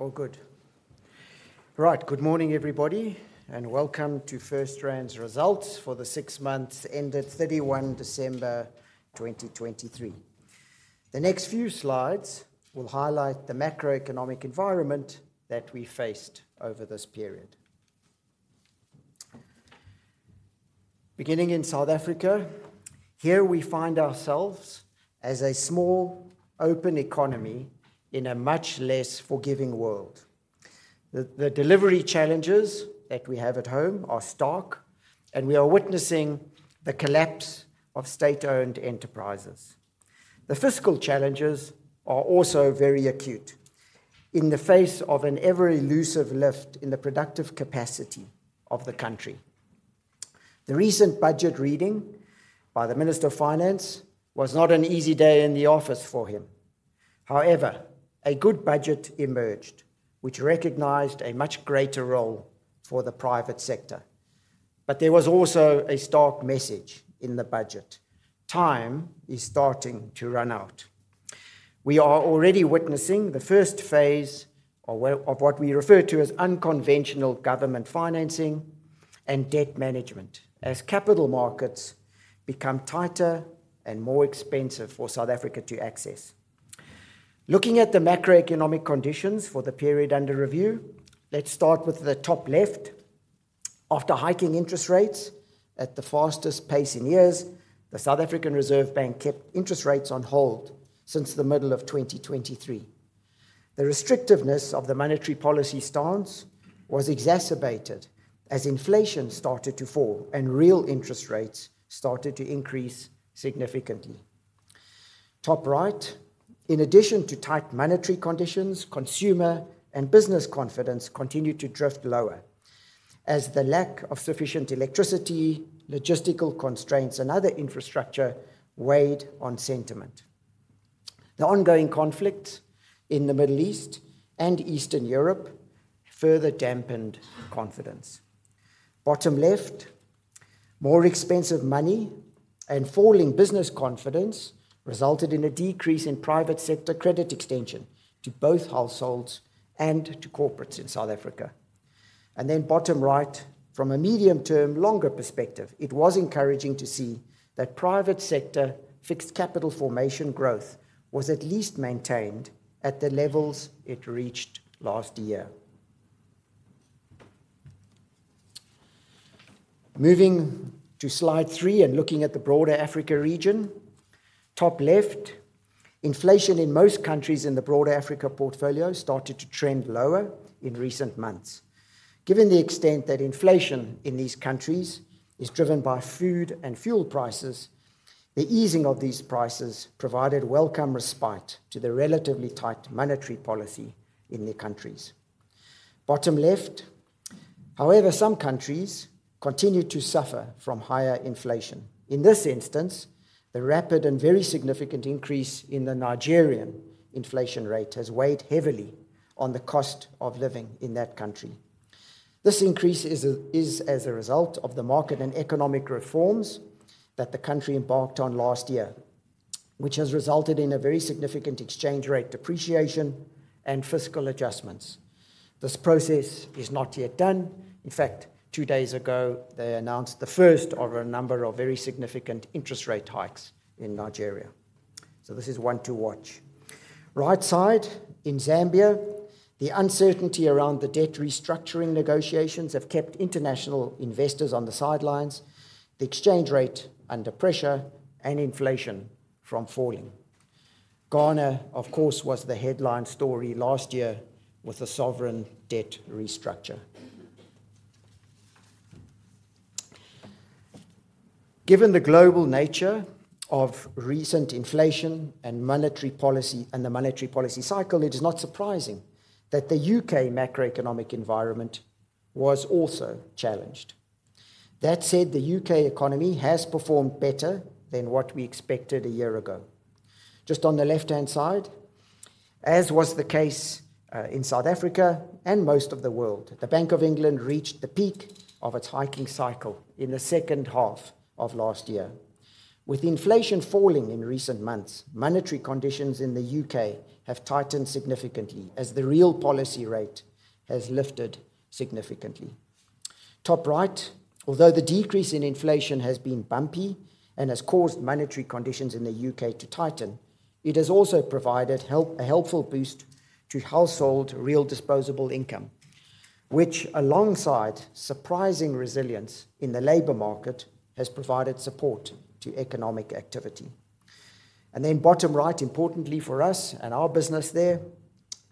All good. Right, good morning, everybody, and welcome to FirstRand's results for the six months ended 31 December 2023. The next few slides will highlight the macroeconomic environment that we faced over this period. Beginning in South Africa, here we find ourselves as a small, open economy in a much less forgiving world. The delivery challenges that we have at home are stark, and we are witnessing the collapse of state-owned enterprises. The fiscal challenges are also very acute in the face of an ever-elusive lift in the productive capacity of the country. The recent budget reading by the Minister of Finance was not an easy day in the office for him. However, a good budget emerged, which recognized a much greater role for the private sector. But there was also a stark message in the budget: time is starting to run out. We are already witnessing the first phase of what we refer to as unconventional government financing and debt management, as capital markets become tighter and more expensive for South Africa to access. Looking at the macroeconomic conditions for the period under review, let's start with the top left. After hiking interest rates at the fastest pace in years, the South African Reserve Bank kept interest rates on hold since the middle of 2023. The restrictiveness of the monetary policy stance was exacerbated as inflation started to fall and real interest rates started to increase significantly. Top right, in addition to tight monetary conditions, consumer and business confidence continued to drift lower, as the lack of sufficient electricity, logistical constraints, and other infrastructure weighed on sentiment. The ongoing conflict in the Middle East and Eastern Europe further dampened confidence. Bottom left, more expensive money and falling business confidence resulted in a decrease in private sector credit extension to both households and to corporates in South Africa. Then bottom right, from a medium-term, longer perspective, it was encouraging to see that private sector fixed capital formation growth was at least maintained at the levels it reached last year. Moving to slide three and looking at the broader Africa region, top left, inflation in most countries in the broader Africa portfolio started to trend lower in recent months. Given the extent that inflation in these countries is driven by food and fuel prices, the easing of these prices provided welcome respite to the relatively tight monetary policy in the countries. Bottom left, however, some countries continued to suffer from higher inflation. In this instance, the rapid and very significant increase in the Nigerian inflation rate has weighed heavily on the cost of living in that country. This increase is as a result of the market and economic reforms that the country embarked on last year, which has resulted in a very significant exchange rate depreciation and fiscal adjustments. This process is not yet done. In fact, two days ago, they announced the first of a number of very significant interest rate hikes in Nigeria, so this is one to watch. Right side, in Zambia, the uncertainty around the debt restructuring negotiations have kept international investors on the sidelines, the exchange rate under pressure, and inflation from falling. Ghana, of course, was the headline story last year with the sovereign debt restructure. Given the global nature of recent inflation and monetary policy and the monetary policy cycle, it is not surprising that the U.K. macroeconomic environment was also challenged. That said, the U.K. economy has performed better than what we expected a year ago. Just on the left-hand side, as was the case in South Africa and most of the world, the Bank of England reached the peak of its hiking cycle in the second half of last year. With inflation falling in recent months, monetary conditions in the U.K. have tightened significantly, as the real policy rate has lifted significantly. Top right, although the decrease in inflation has been bumpy and has caused monetary conditions in the U.K. to tighten, it has also provided help, a helpful boost to household real disposable income, which, alongside surprising resilience in the labor market, has provided support to economic activity. And then bottom right, importantly for us and our business there,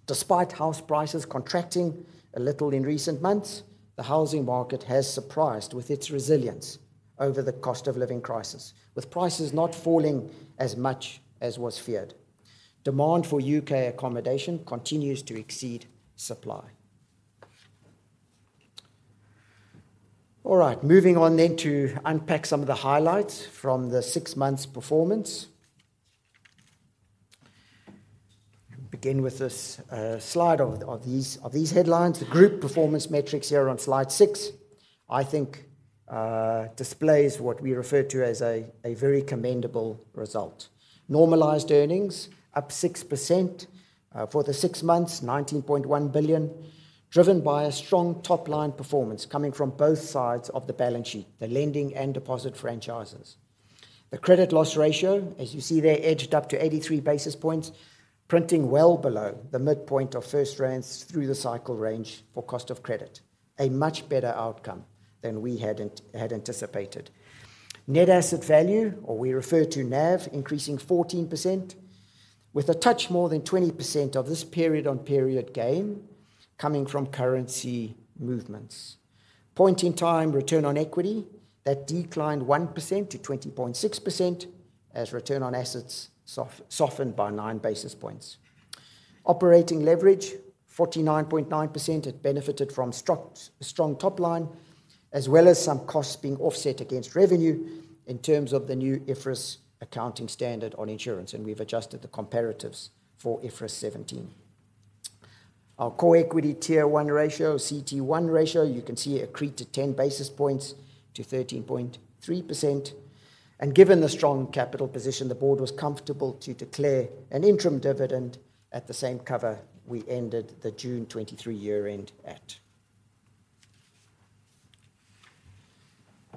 despite house prices contracting a little in recent months, the housing market has surprised with its resilience over the cost of living crisis, with prices not falling as much as was feared. Demand for U.K. accommodation continues to exceed supply. All right, moving on then to unpack some of the highlights from the six months' performance. Begin with this slide of these headlines, the group performance metrics here on slide six. I think displays what we refer to as a very commendable result. Normalized earnings up 6%. For the six months, 19.1 billion, driven by a strong top-line performance coming from both sides of the balance sheet, the lending and deposit franchises. The credit loss ratio, as you see there, edged up to 83 basis points, printing well below the midpoint of FirstRand's through-the-cycle range for cost of credit. A much better outcome than we had anticipated. Net asset value, or we refer to NAV, increasing 14%, with a touch more than 20% of this period-on-period gain coming from currency movements. Point in time return on equity, that declined 1% to 20.6%, as return on assets softened by 9 basis points. Operating leverage, 49.9%, it benefited from strong top line, as well as some costs being offset against revenue in terms of the new IFRS accounting standard on insurance, and we've adjusted the comparatives for IFRS 17. Our Core Equity Tier 1 ratio, CET1 ratio, you can see accreted 10 basis points to 13.3%. Given the strong capital position, the board was comfortable to declare an interim dividend at the same cover we ended the June 2023 year-end at.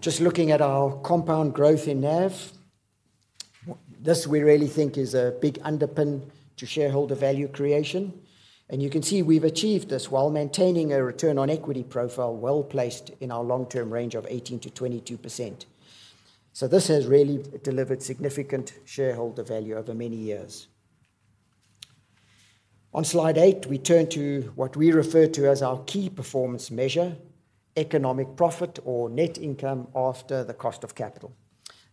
Just looking at our compound growth in NAV. This we really think is a big underpin to shareholder value creation, and you can see we've achieved this while maintaining a return on equity profile well-placed in our long-term range of 18%-22%. So this has really delivered significant shareholder value over many years. On slide eight, we turn to what we refer to as our key performance measure, economic profit or net income after the cost of capital.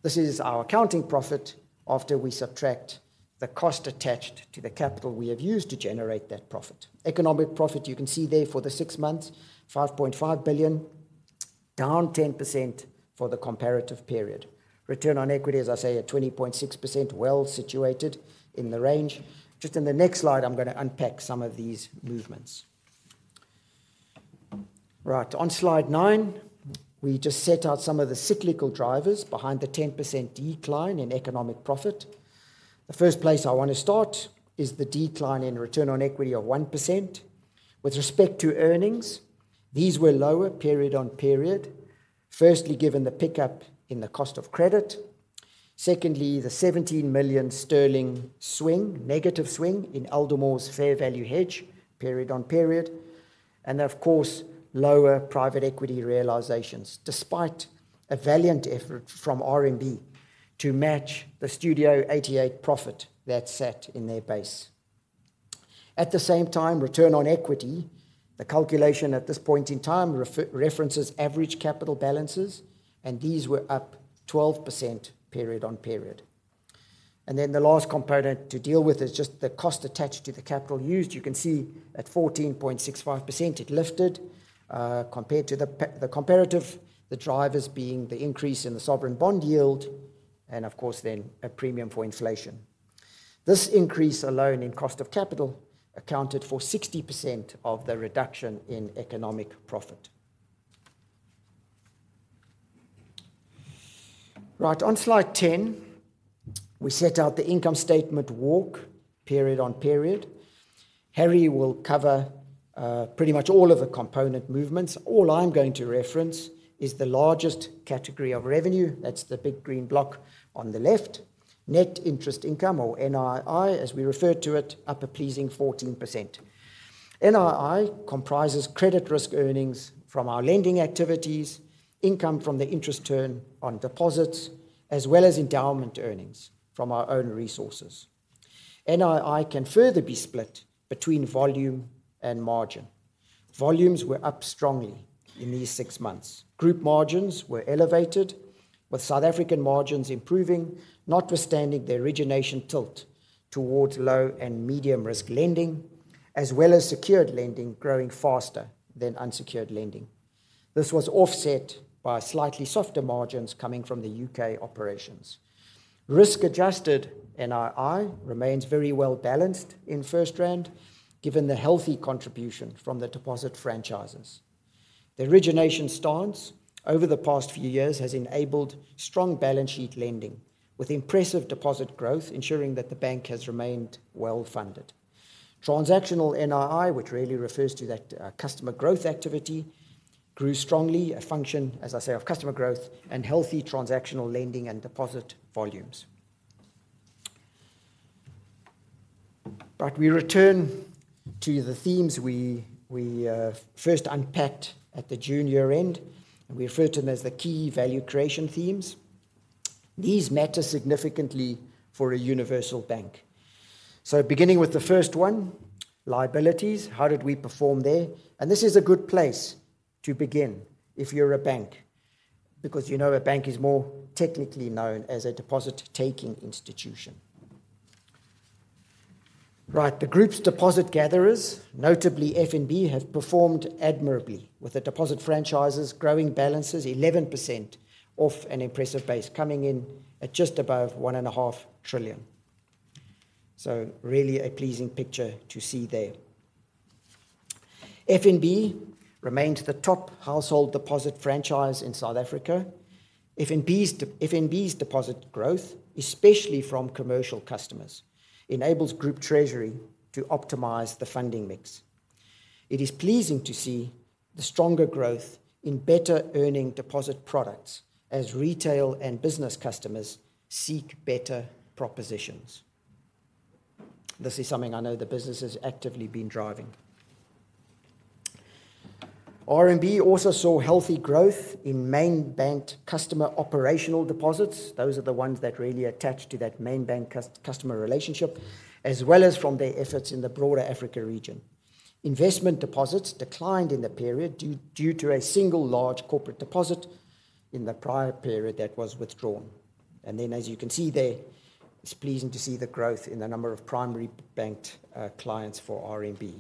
This is our accounting profit after we subtract the cost attached to the capital we have used to generate that profit. Economic profit, you can see there for the six months, 5.5 billion, down 10% for the comparative period. Return on equity, as I say, at 20.6%, well situated in the range. Just in the next slide, I'm gonna unpack some of these movements. Right. On slide nine, we just set out some of the cyclical drivers behind the 10% decline in economic profit. The first place I want to start is the decline in return on equity of 1%. With respect to earnings, these were lower period on period. Firstly, given the pickup in the cost of credit. Secondly, the 17 million sterling swing, negative swing, in Aldermore's fair value hedge period on period, and of course, lower private equity realisations, despite a valiant effort from RMB to match the Studio 88 profit that sat in their base. At the same time, return on equity, the calculation at this point in time references average capital balances, and these were up 12% period-on-period. Then the last component to deal with is just the cost attached to the capital used. You can see at 14.65%, it lifted compared to the comparative, the drivers being the increase in the sovereign bond yield, and of course then a premium for inflation. This increase alone in cost of capital accounted for 60% of the reduction in economic profit. Right, on slide 10, we set out the income statement walk period-on-period. Harry will cover pretty much all of the component movements. All I'm going to reference is the largest category of revenue, that's the big green block on the left. Net interest income, or NII, as we refer to it, up a pleasing 14%. NII comprises credit risk earnings from our lending activities, income from the interest earned on deposits, as well as endowment earnings from our own resources. NII can further be split between volume and margin. Volumes were up strongly in these six months. Group margins were elevated, with South African margins improving, notwithstanding the origination tilt towards low and medium risk lending, as well as secured lending growing faster than unsecured lending. This was offset by slightly softer margins coming from the UK operations. Risk-adjusted NII remains very well balanced in FirstRand, given the healthy contribution from the deposit franchises. The origination stance over the past few years has enabled strong balance sheet lending, with impressive deposit growth ensuring that the bank has remained well funded. Transactional NII, which really refers to that, customer growth activity, grew strongly, a function, as I say, of customer growth and healthy transactional lending and deposit volumes. But we return to the themes we, we, first unpacked at the June year-end, and we refer to them as the key value creation themes. These matter significantly for a universal bank. So beginning with the first one, liabilities, how did we perform there? And this is a good place to begin if you're a bank, because you know, a bank is more technically known as a deposit-taking institution. Right. The group's deposit gatherers, notably FNB, have performed admirably, with the deposit franchises growing balances 11% off an impressive base, coming in at just above 1.5 trillion, so really a pleasing picture to see there. FNB remains the top household deposit franchise in South Africa. FNB's deposit growth, especially from commercial customers, enables group treasury to optimize the funding mix. It is pleasing to see the stronger growth in better-earning deposit products as retail and business customers seek better propositions. This is something I know the business has actively been driving. RMB also saw healthy growth in main banked customer operational deposits. Those are the ones that really attach to that main bank customer relationship, as well as from their efforts in the broader Africa region. Investment deposits declined in the period due to a single large corporate deposit in the prior period that was withdrawn. As you can see there, it's pleasing to see the growth in the number of primary banked clients for RMB,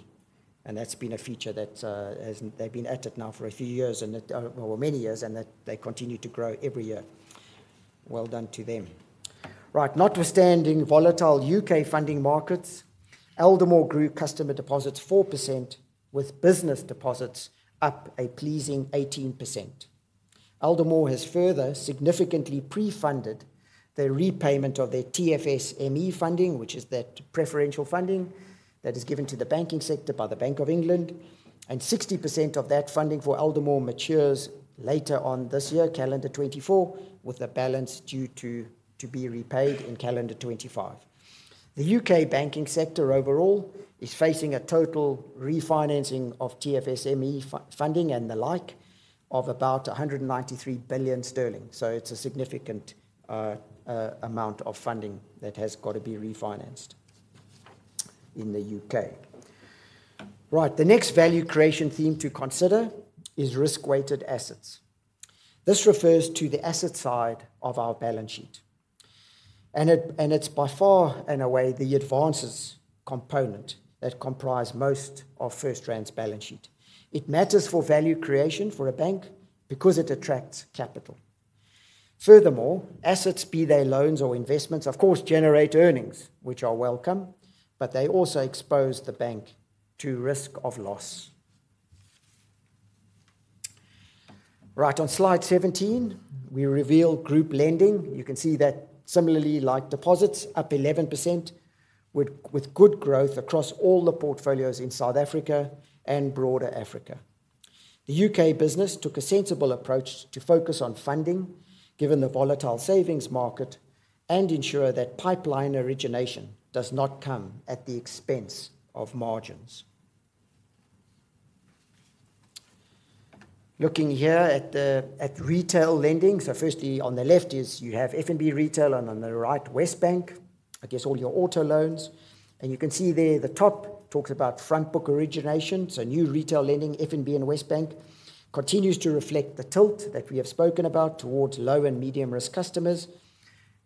and that's been a feature that they've been at it now for a few years and it, or many years, and that they continue to grow every year. Well done to them. Right. Notwithstanding volatile U.K. funding markets, Aldermore grew customer deposits 4%, with business deposits up a pleasing 18%. Aldermore has further significantly pre-funded their repayment of their TFSME funding, which is that preferential funding that is given to the banking sector by the Bank of England, and 60% of that funding for Aldermore matures later on this year, calendar 2024, with the balance due to be repaid in calendar 2025. The UK banking sector overall is facing a total refinancing of TFSME funding and the like of about 193 billion sterling. So it's a significant amount of funding that has got to be refinanced in the UK. Right. The next value creation theme to consider is risk-weighted assets. This refers to the asset side of our balance sheet, and it's by far and away the advances component that comprise most of FirstRand's balance sheet. It matters for value creation for a bank because it attracts capital. Furthermore, assets, be they loans or investments, of course, generate earnings, which are welcome, but they also expose the bank to risk of loss. Right. On slide 17, we reveal group lending. You can see that similarly, like deposits, up 11%, with good growth across all the portfolios in South Africa and broader Africa. The UK business took a sensible approach to focus on funding, given the volatile savings market, and ensure that pipeline origination does not come at the expense of margins. Looking here at retail lending, so firstly, on the left is you have FNB Retail, and on the right, WesBank. I guess all your auto loans. And you can see there the top talks about front book origination, so new retail lending, FNB and WesBank continues to reflect the tilt that we have spoken about towards low- and medium-risk customers.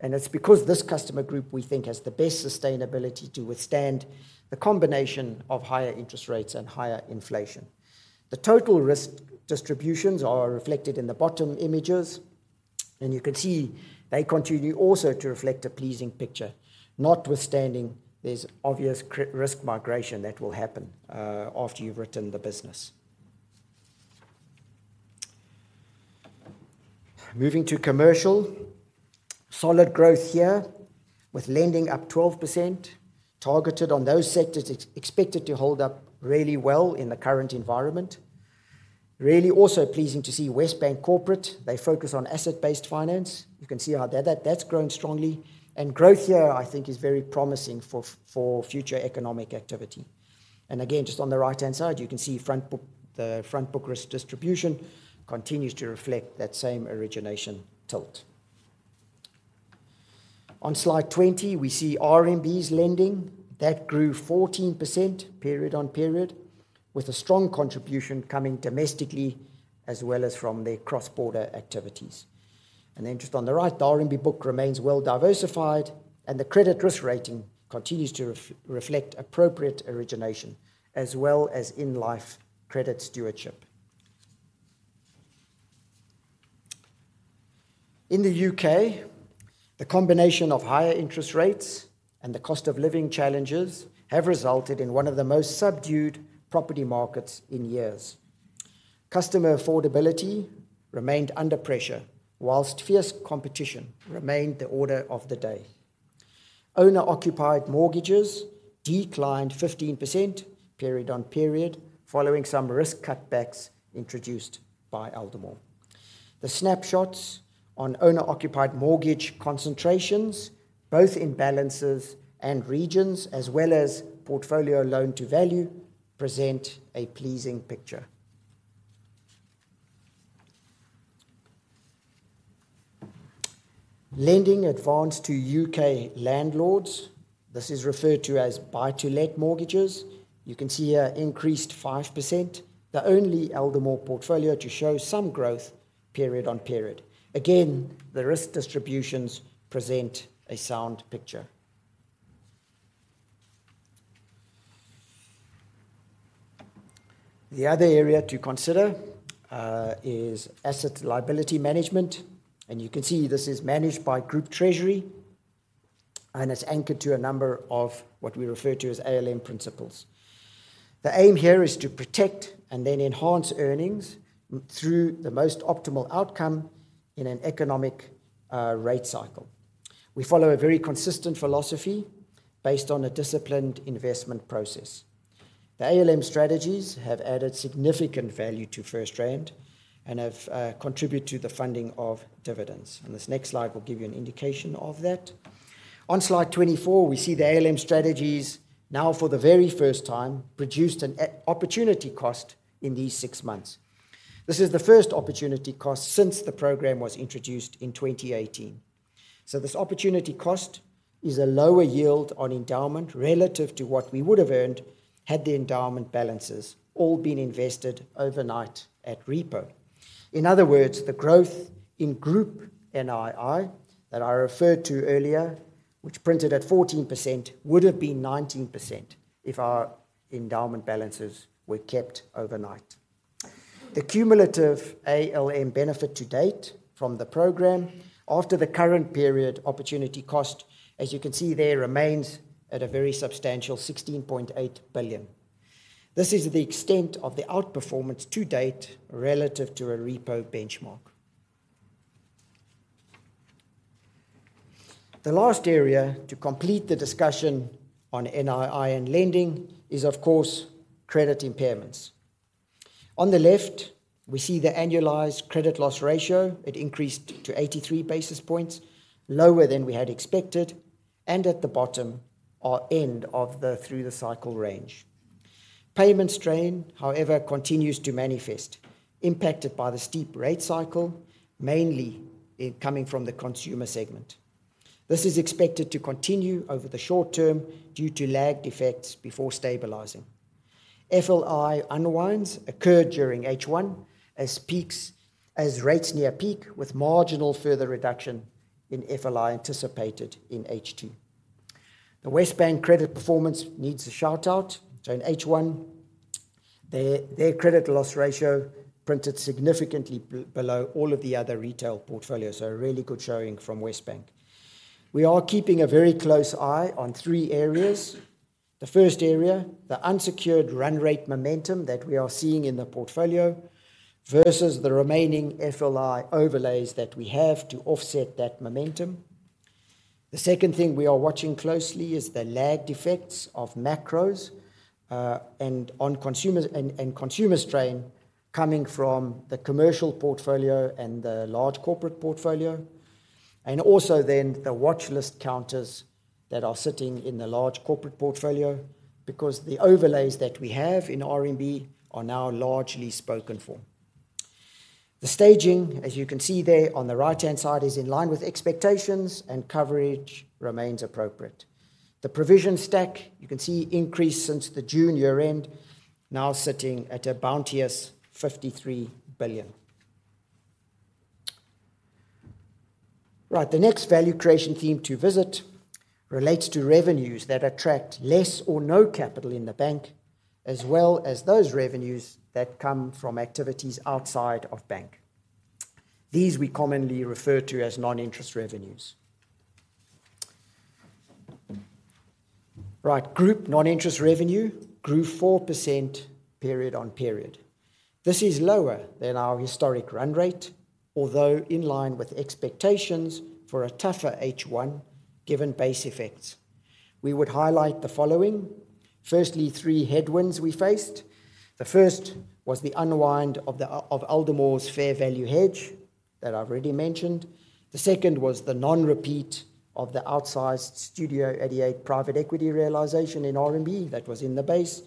And it's because this customer group, we think, has the best sustainability to withstand the combination of higher interest rates and higher inflation. The total risk distributions are reflected in the bottom images, and you can see they continue also to reflect a pleasing picture, notwithstanding there's obvious risk migration that will happen after you've written the business. Moving to commercial. Solid growth here, with lending up 12%, targeted on those sectors expected to hold up really well in the current environment. Really also pleasing to see WesBank Corporate. They focus on asset-based finance. You can see how that, that's growing strongly. And growth here, I think, is very promising for future economic activity. And again, just on the right-hand side, you can see front book, the front book risk distribution continues to reflect that same origination tilt. On slide 20, we see RMB's lending. That grew 14% period-on-period, with a strong contribution coming domestically as well as from their cross-border activities. Just on the right, the RMB book remains well diversified, and the credit risk rating continues to reflect appropriate origination as well as in-life credit stewardship. In the UK, the combination of higher interest rates and the cost of living challenges have resulted in one of the most subdued property markets in years. Customer affordability remained under pressure, while fierce competition remained the order of the day. Owner-occupied mortgages declined 15% period-on-period, following some risk cutbacks introduced by Aldermore. The snapshots on owner-occupied mortgage concentrations, both in balances and regions, as well as portfolio loan-to-value, present a pleasing picture. Lending advanced to UK landlords, this is referred to as buy-to-let mortgages. You can see here increased 5%, the only Aldermore portfolio to show some growth period-on-period. Again, the risk distributions present a sound picture. The other area to consider is asset liability management, and you can see this is managed by group treasury, and it's anchored to a number of what we refer to as ALM principles. The aim here is to protect and then enhance earnings through the most optimal outcome in an economic rate cycle. We follow a very consistent philosophy based on a disciplined investment process. The ALM strategies have added significant value to FirstRand and have contributed to the funding of dividends, and this next slide will give you an indication of that. On slide 24, we see the ALM strategies now, for the very first time, produced an opportunity cost in these six months. This is the first opportunity cost since the program was introduced in 2018. This opportunity cost is a lower yield on endowment relative to what we would have earned had the endowment balances all been invested overnight at repo. In other words, the growth in group NII, that I referred to earlier, which printed at 14%, would have been 19% if our endowment balances were kept overnight. The cumulative ALM benefit to date from the program after the current period opportunity cost, as you can see there, remains at a very substantial 16.8 billion. This is the extent of the outperformance to date relative to a repo benchmark. The last area to complete the discussion on NII and lending is, of course, credit impairments. On the left, we see the annualized credit loss ratio. It increased to 83 basis points, lower than we had expected, and at the bottom, our end of the through the cycle range. Payment strain, however, continues to manifest, impacted by the steep rate cycle, mainly coming from the consumer segment. This is expected to continue over the short term due to lagged effects before stabilizing. FLI unwinds occurred during H1 as rates near peak, with marginal further reduction in FLI anticipated in H2. The WesBank credit performance needs a shout-out. So in H1, their credit loss ratio printed significantly below all of the other retail portfolios. So a really good showing from WesBank. We are keeping a very close eye on three areas. The first area, the unsecured run rate momentum that we are seeing in the portfolio versus the remaining FLI overlays that we have to offset that momentum. The second thing we are watching closely is the lagged effects of macros, and on consumer, and consumer strain coming from the commercial portfolio and the large corporate portfolio, and also then the watchlist counters that are sitting in the large corporate portfolio, because the overlays that we have in RMB are now largely spoken for. The staging, as you can see there on the right-hand side, is in line with expectations, and coverage remains appropriate. The provision stack, you can see, increased since the June year-end, now sitting at a bounteous 53 billion. Right. The next value creation theme to visit relates to revenues that attract less or no capital in the bank, as well as those revenues that come from activities outside of bank. These we commonly refer to as non-interest revenues. Right. Group non-interest revenue grew 4% period-on-period. This is lower than our historic run rate, although in line with expectations for a tougher H1 given base effects. We would highlight the following: firstly, three headwinds we faced. The first was the unwind of Aldermore's fair value hedge that I've already mentioned. The second was the non-repeat of the outsized Studio 88 private equity realization in RMB that was in the base.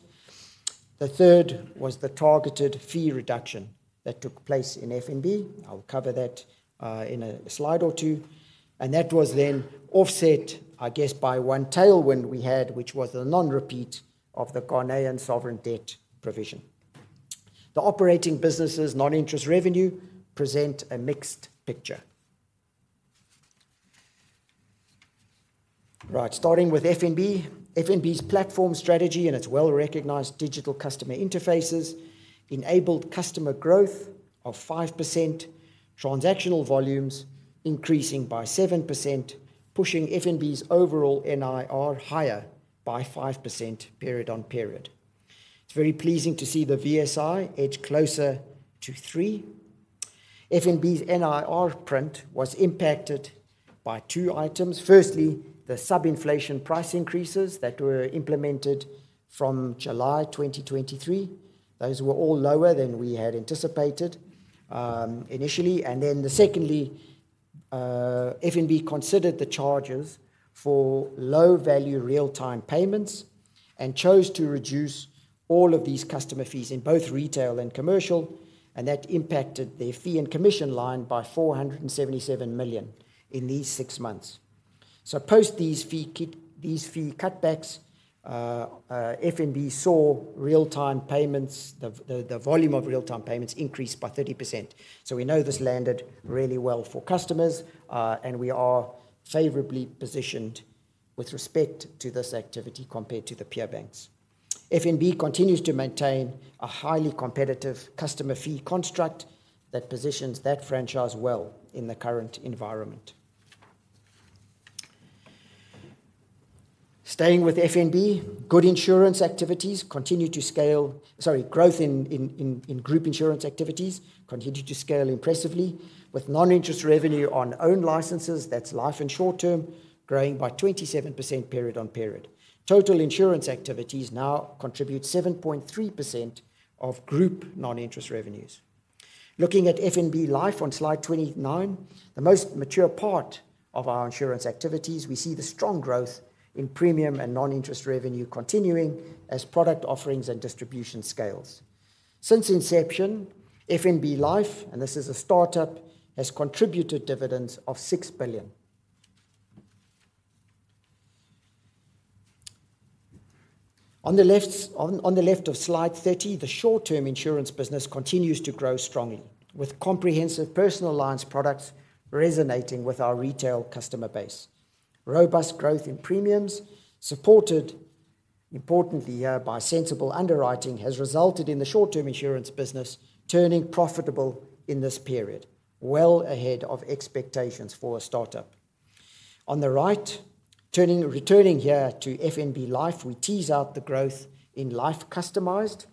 The third was the targeted fee reduction that took place in FNB. I'll cover that in a slide or two, and that was then offset, I guess, by one tailwind we had, which was the non-repeat of the Ghanaian sovereign debt provision. The operating businesses' non-interest revenue present a mixed picture. Right. Starting with FNB, FNB's platform strategy and its well-recognized digital customer interfaces enabled customer growth of 5%, transactional volumes increasing by 7%, pushing FNB's overall NIR higher by 5% period-on-period. It's very pleasing to see the VSI edge closer to three. FNB's NIR print was impacted by two items. Firstly, the sub-inflation price increases that were implemented from July 2023. Those were all lower than we had anticipated, initially. And then secondly, FNB considered the charges for low-value real-time payments and chose to reduce all of these customer fees in both retail and commercial, and that impacted their fee and commission line by 477 million in these six months. So post these fee cutbacks, FNB saw the volume of real-time payments increase by 30%. So we know this landed really well for customers, and we are favorably positioned with respect to this activity compared to the peer banks. FNB continues to maintain a highly competitive customer fee construct that positions that franchise well in the current environment. Staying with FNB, growth in group insurance activities continue to scale impressively, with non-interest revenue on own licenses, that's life and short term, growing by 27% period on period. Total insurance activities now contribute 7.3% of group non-interest revenues. Looking at FNB Life on slide 29, the most mature part of our insurance activities, we see the strong growth in premium and non-interest revenue continuing as product offerings and distribution scales. Since inception, FNB Life, and this is a startup, has contributed dividends of 6 billion. On the left on, on the left of slide 30, the short-term insurance business continues to grow strongly, with comprehensive personal lines products resonating with our retail customer base. Robust growth in premiums, supported importantly here by sensible underwriting, has resulted in the short-term insurance business turning profitable in this period, well ahead of expectations for a startup. On the right, returning here to FNB Life, we tease out the growth in life customized.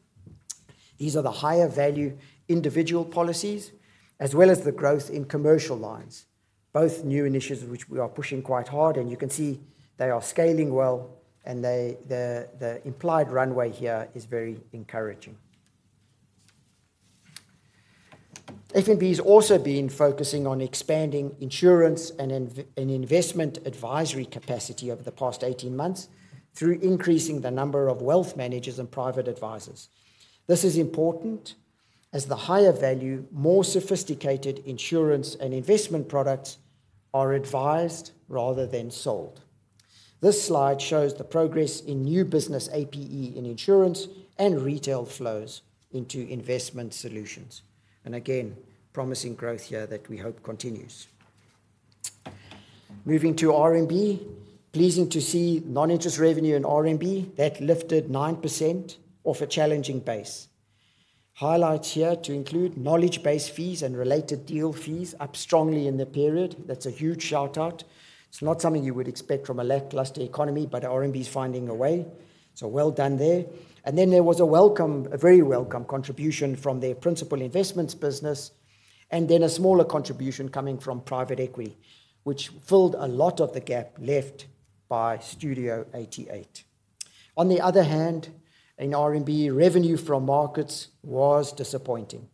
These are the higher value individual policies, as well as the growth in commercial lines, both new initiatives which we are pushing quite hard, and you can see they are scaling well, and the implied runway here is very encouraging. FNB has also been focusing on expanding insurance and investment advisory capacity over the past 18 months through increasing the number of wealth managers and private advisors. This is important as the higher value, more sophisticated insurance and investment products are advised rather than sold. This slide shows the progress in new business APE in insurance and retail flows into investment solutions, and again, promising growth here that we hope continues. Moving to RMB, pleasing to see non-interest revenue in RMB that lifted 9% off a challenging base. Highlights here to include knowledge-based fees and related deal fees up strongly in the period. That's a huge shout-out. It's not something you would expect from a lackluster economy, but RMB is finding a way. So well done there. And then there was a welcome, a very welcome contribution from their principal investments business, and then a smaller contribution coming from private equity, which filled a lot of the gap left by Studio 88. On the other hand, in RMB, revenue from markets was disappointing,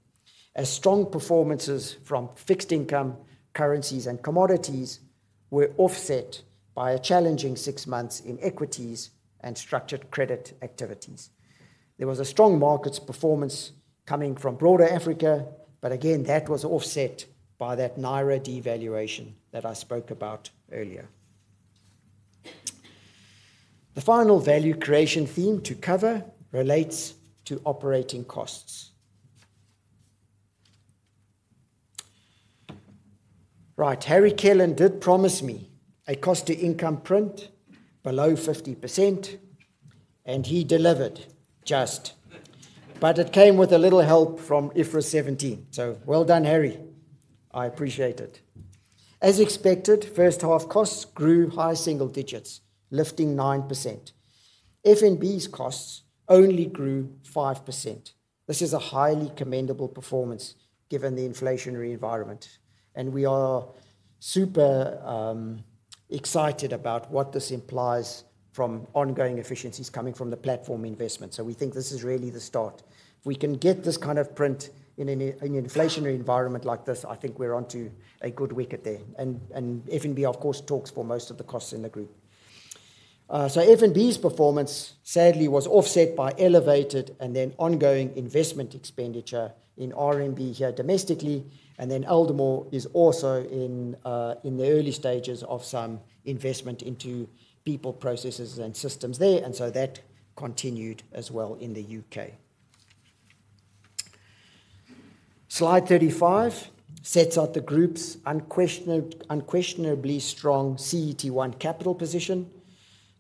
as strong performances from fixed income currencies and commodities were offset by a challenging six months in equities and structured credit activities. There was a strong markets performance coming from broader Africa, but again, that was offset by that naira devaluation that I spoke about earlier. The final value creation theme to cover relates to operating costs. Right. Harry Kellan did promise me a cost to income print below 50%, and he delivered, just. But it came with a little help from IFRS 17. So well done, Harry. I appreciate it. As expected, first half costs grew high single digits, lifting 9%. FNB's costs only grew 5%. This is a highly commendable performance given the inflationary environment, and we are super excited about what this implies from ongoing efficiencies coming from the platform investment. So we think this is really the start. If we can get this kind of print in an inflationary environment like this, I think we're onto a good wicket there. And FNB, of course, talks for most of the costs in the group. So FNB's performance, sadly, was offset by elevated and then ongoing investment expenditure in RMB here domestically, and then Aldermore is also in the early stages of some investment into people, processes, and systems there, and so that continued as well in the UK. Slide 35 sets out the group's unquestionably strong CET1 capital position.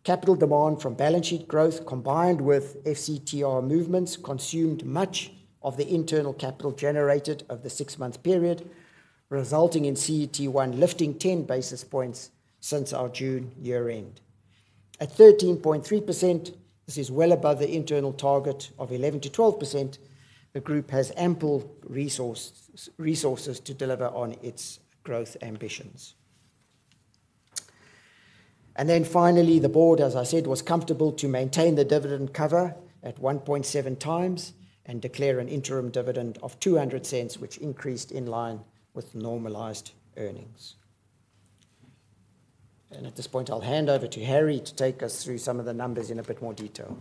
Capital demand from balance sheet growth, combined with FCTR movements, consumed much of the internal capital generated over the six-month period, resulting in CET1 lifting 10 basis points since our June year-end. At 13.3%, this is well above the internal target of 11%-12%. The group has ample resources to deliver on its growth ambitions. Then finally, the board, as I said, was comfortable to maintain the dividend cover at 1.7 times and declare an interim dividend of 2.00, which increased in line with normalized earnings. At this point, I'll hand over to Harry to take us through some of the numbers in a bit more detail.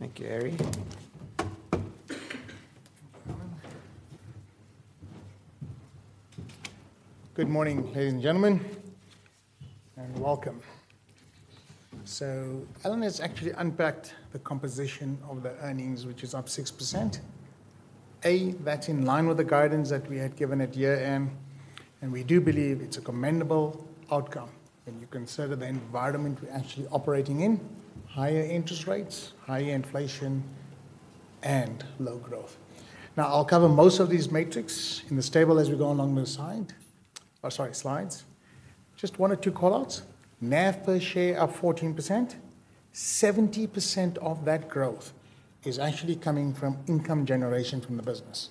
Thank you, Harry. Good morning, ladies and gentlemen, and welcome. So Alan has actually unpacked the composition of the earnings, which is up 6%. That's in line with the guidance that we had given at year-end, and we do believe it's a commendable outcome when you consider the environment we're actually operating in: higher interest rates, higher inflation, and low growth. Now, I'll cover most of these metrics in this table as we go along the side - Oh, sorry, slides. Just one or two call-outs. NAV per share up 14%. 70% of that growth is actually coming from income generation from the business,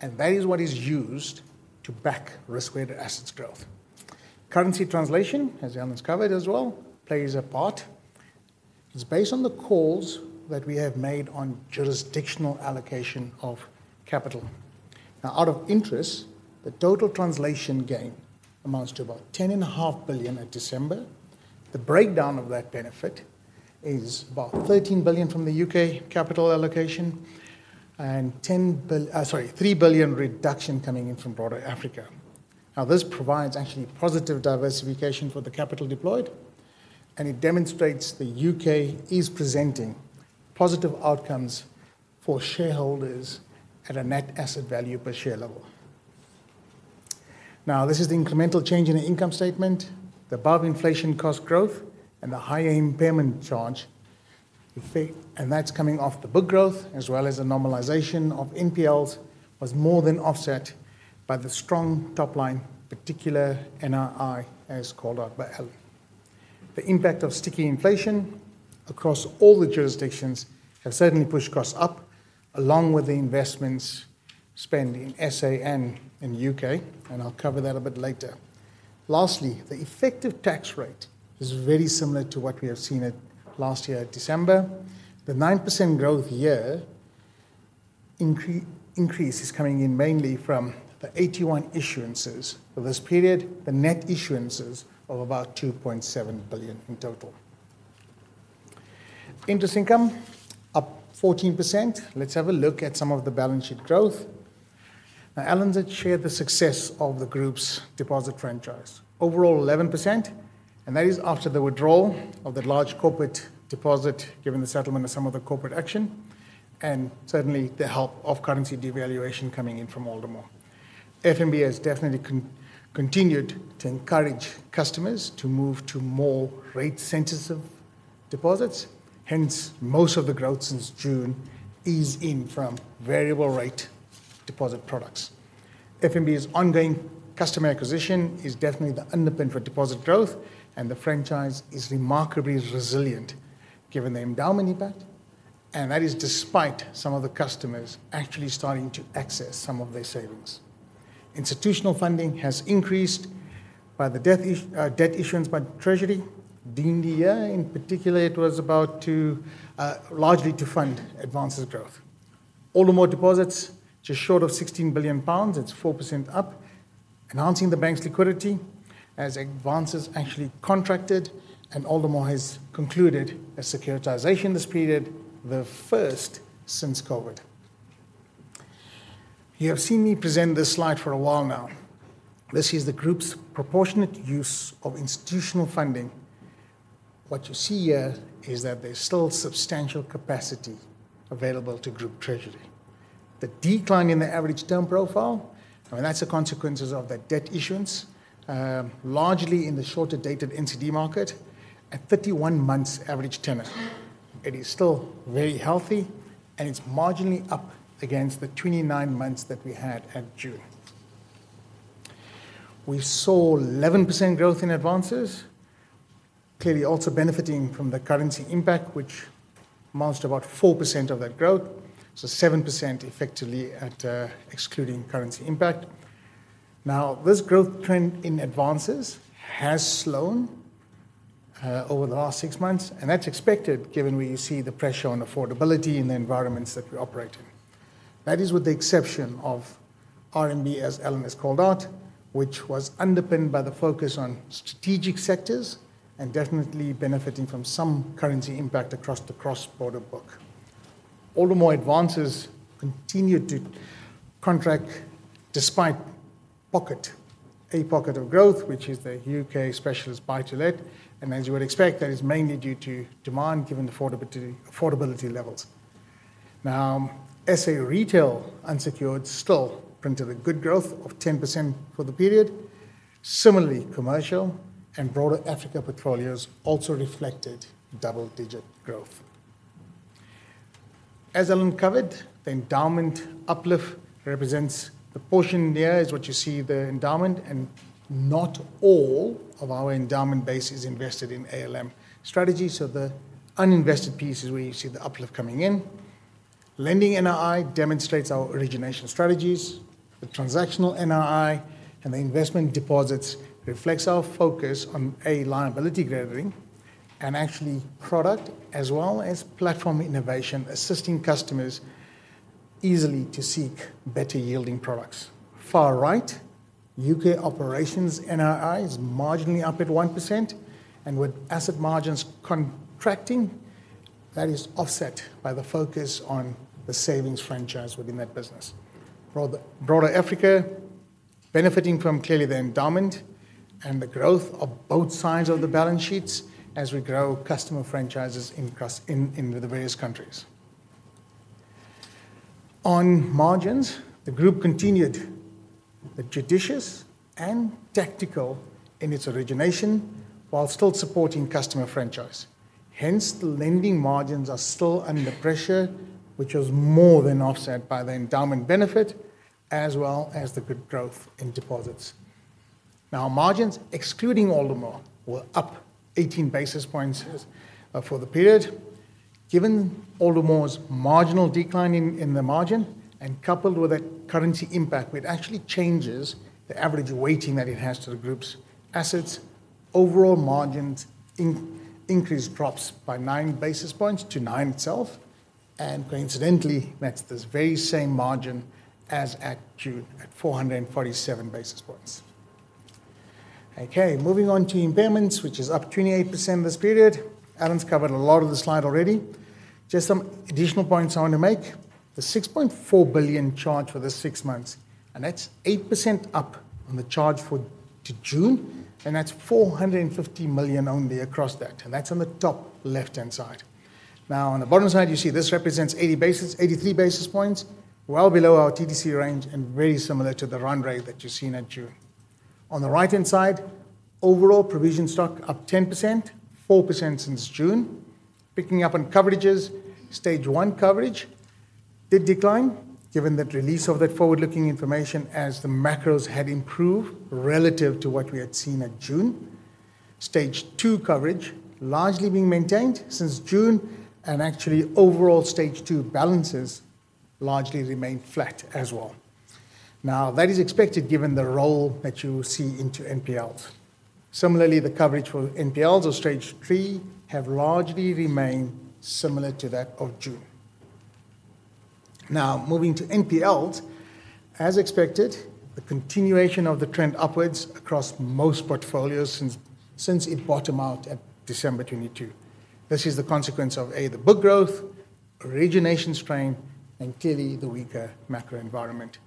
and that is what is used to back risk-weighted assets growth. Currency translation, as Alan's covered as well, plays a part. It's based on the calls that we have made on jurisdictional allocation of capital. Now, out of interest, the total translation gain amounts to about 10.5 billion at December. The breakdown of that benefit is about 13 billion from the UK capital allocation and ten bill, sorry, 3 billion reduction coming in from broader Africa. Now, this provides actually positive diversification for the capital deployed, and it demonstrates the UK is presenting positive outcomes for shareholders at a net asset value per share level. Now, this is the incremental change in the income statement, the above-inflation cost growth and the higher impairment charge effect, and that's coming off the book growth, as well as a normalization of NPLs, was more than offset by the strong top line, particular NII, as called out by Alan. The impact of sticky inflation across all the jurisdictions has certainly pushed costs up, along with the investments spend in SA and in UK, and I'll cover that a bit later. Lastly, the effective tax rate is very similar to what we have seen at last year at December. The 9% growth year increase is coming in mainly from the AT1 issuances for this period, the net issuances of about 2.7 billion in total. Interest income up 14%. Let's have a look at some of the balance sheet growth. Now, Alan's had shared the success of the group's deposit franchise. Overall, 11%, and that is after the withdrawal of the large corporate deposit, given the settlement of some of the corporate action, and certainly the help of currency devaluation coming in from Aldermore. FNB has definitely continued to encourage customers to move to more rate-sensitive deposits. Hence, most of the growth since June is in from variable rate deposit products. FNB's ongoing customer acquisition is definitely the underpin for deposit growth, and the franchise is remarkably resilient, given the endowment impact, and that is despite some of the customers actually starting to access some of their savings. Institutional funding has increased by the debt issuance by Treasury during the year. In particular, it was largely to fund advances growth. Aldermore deposits just short of 16 billion pounds. It's 4% up, enhancing the bank's liquidity as advances actually contracted, and Aldermore has concluded a securitization this period, the first since COVID. You have seen me present this slide for a while now. This is the group's proportionate use of institutional funding. What you see here is that there's still substantial capacity available to Group Treasury. The decline in the average term profile, and that's the consequences of the debt issuance, largely in the shorter dated NCD market at 31 months average tenure. It is still very healthy, and it's marginally up against the 29 months that we had at June. We saw 11% growth in advances, clearly also benefiting from the currency impact, which amounts to about 4% of that growth, so 7% effectively at, excluding currency impact. Now, this growth trend in advances has slowed, over the last six months, and that's expected given we see the pressure on affordability in the environments that we operate in. That is with the exception of RMB, as Alan has called out, which was underpinned by the focus on strategic sectors and definitely benefiting from some currency impact across the cross-border book. Aldermore advances continued to contract despite pocket, a pocket of growth, which is the UK specialist buy-to-let, and as you would expect, that is mainly due to demand, given affordability, affordability levels. Now, SA retail unsecured still printed a good growth of 10% for the period. Similarly, commercial and broader Africa portfolios also reflected double-digit growth. As Alan covered, the endowment uplift represents... the portion there is what you see the endowment, and not all of our endowment base is invested in ALM strategy, so the uninvested piece is where you see the uplift coming in. Lending NII demonstrates our origination strategies. The transactional NII and the investment deposits reflects our focus on, A, liability gathering and actually product as well as platform innovation, assisting customers easily to seek better-yielding products. Far right, UK operations NII is marginally up at 1%, and with asset margins contracting, that is offset by the focus on the savings franchise within that business. Broader Africa benefiting from clearly the endowment and the growth of both sides of the balance sheets as we grow customer franchises in cross, in the various countries. On margins, the group continued the judicious and tactical in its origination while still supporting customer franchise. Hence, the lending margins are still under pressure, which was more than offset by the endowment benefit, as well as the good growth in deposits. Now, margins excluding Aldermore were up 18 basis points for the period. Given Aldermore's marginal decline in the margin and coupled with that currency impact, which actually changes the average weighting that it has to the group's assets, overall margins increased drops by 9 basis points to nine itself, and coincidentally, that's this very same margin as at June at 447 basis points. Okay, moving on to impairments, which is up 28% this period. Alan's covered a lot of the slide already. Just some additional points I want to make. The 6.4 billion charge for this six months, and that's 8% up on the charge for to June, and that's 450 million only across that, and that's on the top left-hand side. Now, on the bottom side, you see this represents 83 basis points, well below our TDC range and very similar to the run rate that you've seen at June. On the right-hand side, overall provision stock up 10%, 4% since June. Picking up on coverages, stage one coverage did decline, given that release of that forward-looking information as the macros had improved relative to what we had seen at June. Stage two coverage largely being maintained since June, and actually overall stage two balances largely remained flat as well. Now, that is expected given the role that you see into NPLs. Similarly, the coverage for NPLs or stage three have largely remained similar to that of June. Now, moving to NPLs, as expected, the continuation of the trend upwards across most portfolios since it bottomed out at December 2022. This is the consequence of A, the book growth, origination strain, and clearly the weaker macro environment.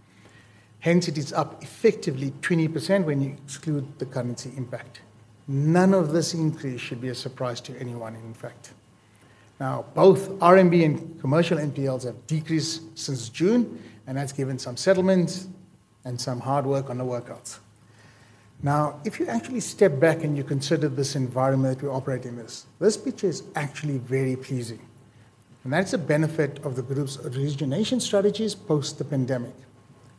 Hence, it is up effectively 20% when you exclude the currency impact. None of this increase should be a surprise to anyone, in fact. Now, both RMB and commercial NPLs have decreased since June, and that's given some settlements and some hard work on the workouts. Now, if you actually step back and you consider this environment that we operate in this, this picture is actually very pleasing, and that's a benefit of the group's origination strategies post the pandemic.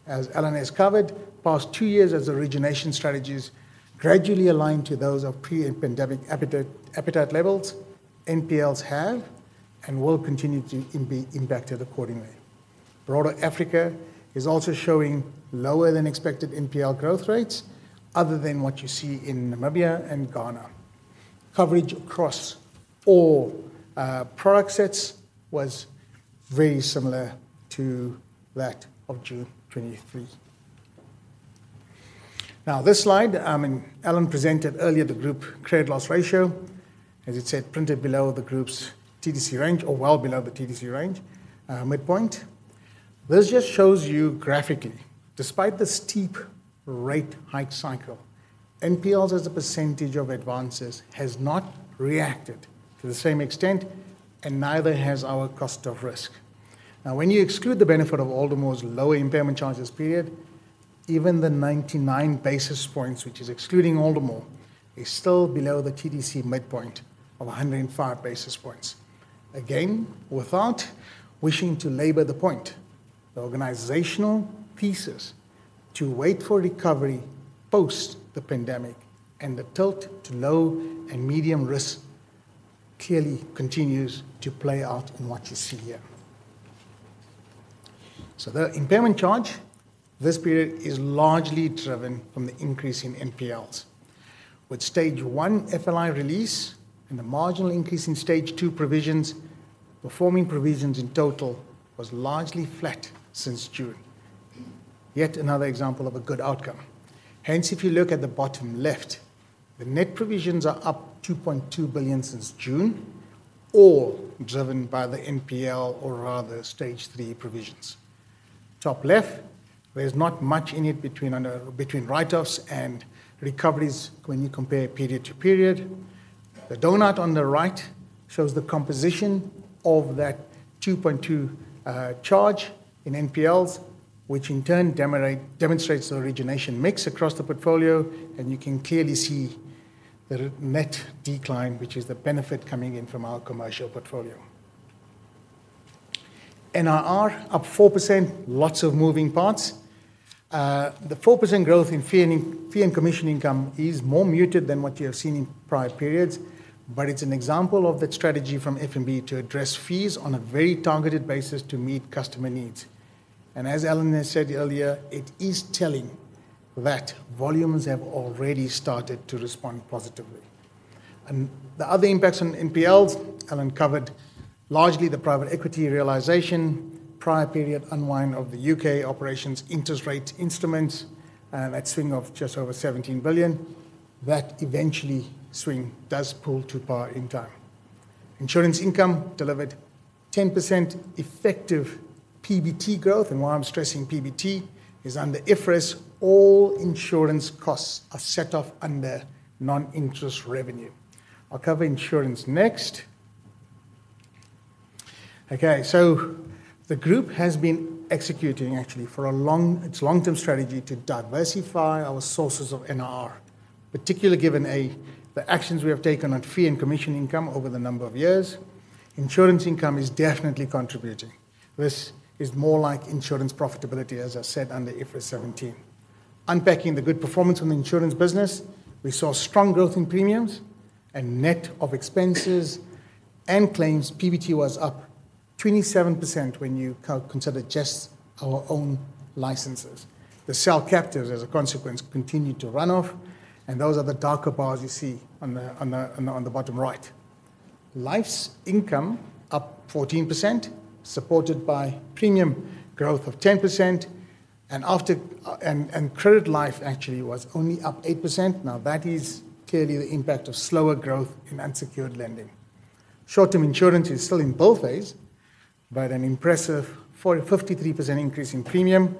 As Alan has covered, past two years as origination strategies gradually aligned to those of pre-pandemic appetite, appetite levels, NPLs have and will continue to be impacted accordingly. Broader Africa is also showing lower than expected NPL growth rates other than what you see in Namibia and Ghana. Coverage across all product sets was very similar to that of June 2023. Now, this slide, and Alan presented earlier the group credit loss ratio, as it said, printed below the group's TDC range or well below the TDC range, midpoint. This just shows you graphically, despite the steep rate hike cycle, NPLs as a percentage of advances has not reacted to the same extent, and neither has our cost of risk. Now, when you exclude the benefit of Aldermore's lower impairment charges period, even the 99 basis points, which is excluding Aldermore, is still below the TDC midpoint of 105 basis points. Again, without wishing to labor the point, the organizational pieces to wait for recovery post the pandemic and the tilt to low and medium risk clearly continues to play out in what you see here. So the impairment charge, this period, is largely driven from the increase in NPLs. With stage one FLI release and the marginal increase in stage two provisions, performing provisions in total was largely flat since June. Yet another example of a good outcome. Hence, if you look at the bottom left, the net provisions are up 2.2 billion since June, all driven by the NPL or rather stage three provisions. Top left, there's not much in it between write-offs and recoveries when you compare period to period. The donut on the right shows the composition of that 2.2 billion charge in NPLs, which in turn demonstrates the origination mix across the portfolio, and you can clearly see the net decline, which is the benefit coming in from our commercial portfolio. NIR, up 4%, lots of moving parts. The 4% growth in fee and, fee and commission income is more muted than what you have seen in prior periods, but it's an example of that strategy from FNB to address fees on a very targeted basis to meet customer needs. As Alan has said earlier, it is telling that volumes have already started to respond positively. The other impacts on NPLs, Alan covered largely the private equity realization, prior period unwind of the UK operations, interest rate instruments, that swing of just over 17 billion, that eventually swing does pull to par in time... Insurance income delivered 10% effective PBT growth, and why I'm stressing PBT is under IFRS, all insurance costs are set off under non-interest revenue. I'll cover insurance next. Okay, so the group has been executing actually for a long, its long-term strategy to diversify our sources of NRR, particularly given the actions we have taken on fee and commission income over the number of years. Insurance income is definitely contributing. This is more like insurance profitability, as I said, under IFRS 17. Unpacking the good performance on the insurance business, we saw strong growth in premiums and net of expenses, and claims PBT was up 27% when you consider just our own licenses. The cell captives, as a consequence, continued to run off, and those are the darker bars you see on the bottom right. Life's income up 14%, supported by premium growth of 10%, and after and credit life actually was only up 8%. Now, that is clearly the impact of slower growth in unsecured lending. Short-term insurance is still in both phases, but an impressive 45.3% increase in premium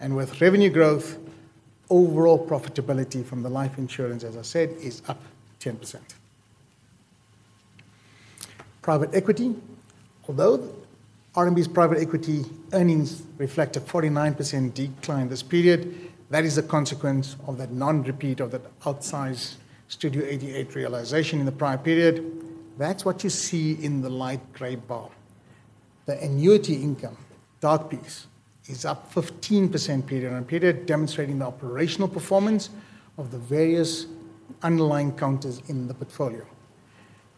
and with revenue growth, overall profitability from the life insurance, as I said, is up 10%. Private equity. Although RMB's private equity earnings reflect a 49% decline this period, that is a consequence of that non-repeat of that outsized Studio 88 realization in the prior period. That's what you see in the light gray bar. The annuity income, dark piece, is up 15% period on period, demonstrating the operational performance of the various underlying counters in the portfolio.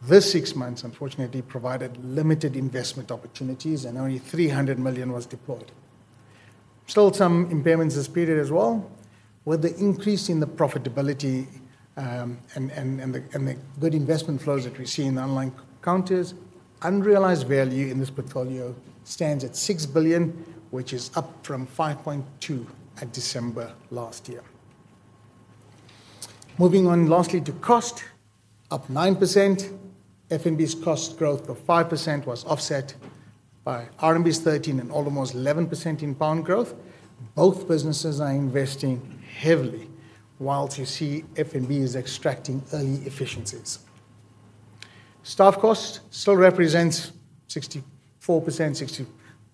This six months, unfortunately, provided limited investment opportunities, and only 300 million was deployed. Still some impairments this period as well, with the increase in the profitability, and the good investment flows that we see in the underlying counters, unrealized value in this portfolio stands at 6 billion, which is up from 5.2 billion at December last year. Moving on lastly to cost, up 9%. FNB's cost growth of 5% was offset by RMB's 13% and Aldermore's 11% in pound growth. Both businesses are investing heavily, while you see FNB is extracting early efficiencies. Staff cost still represents 64%,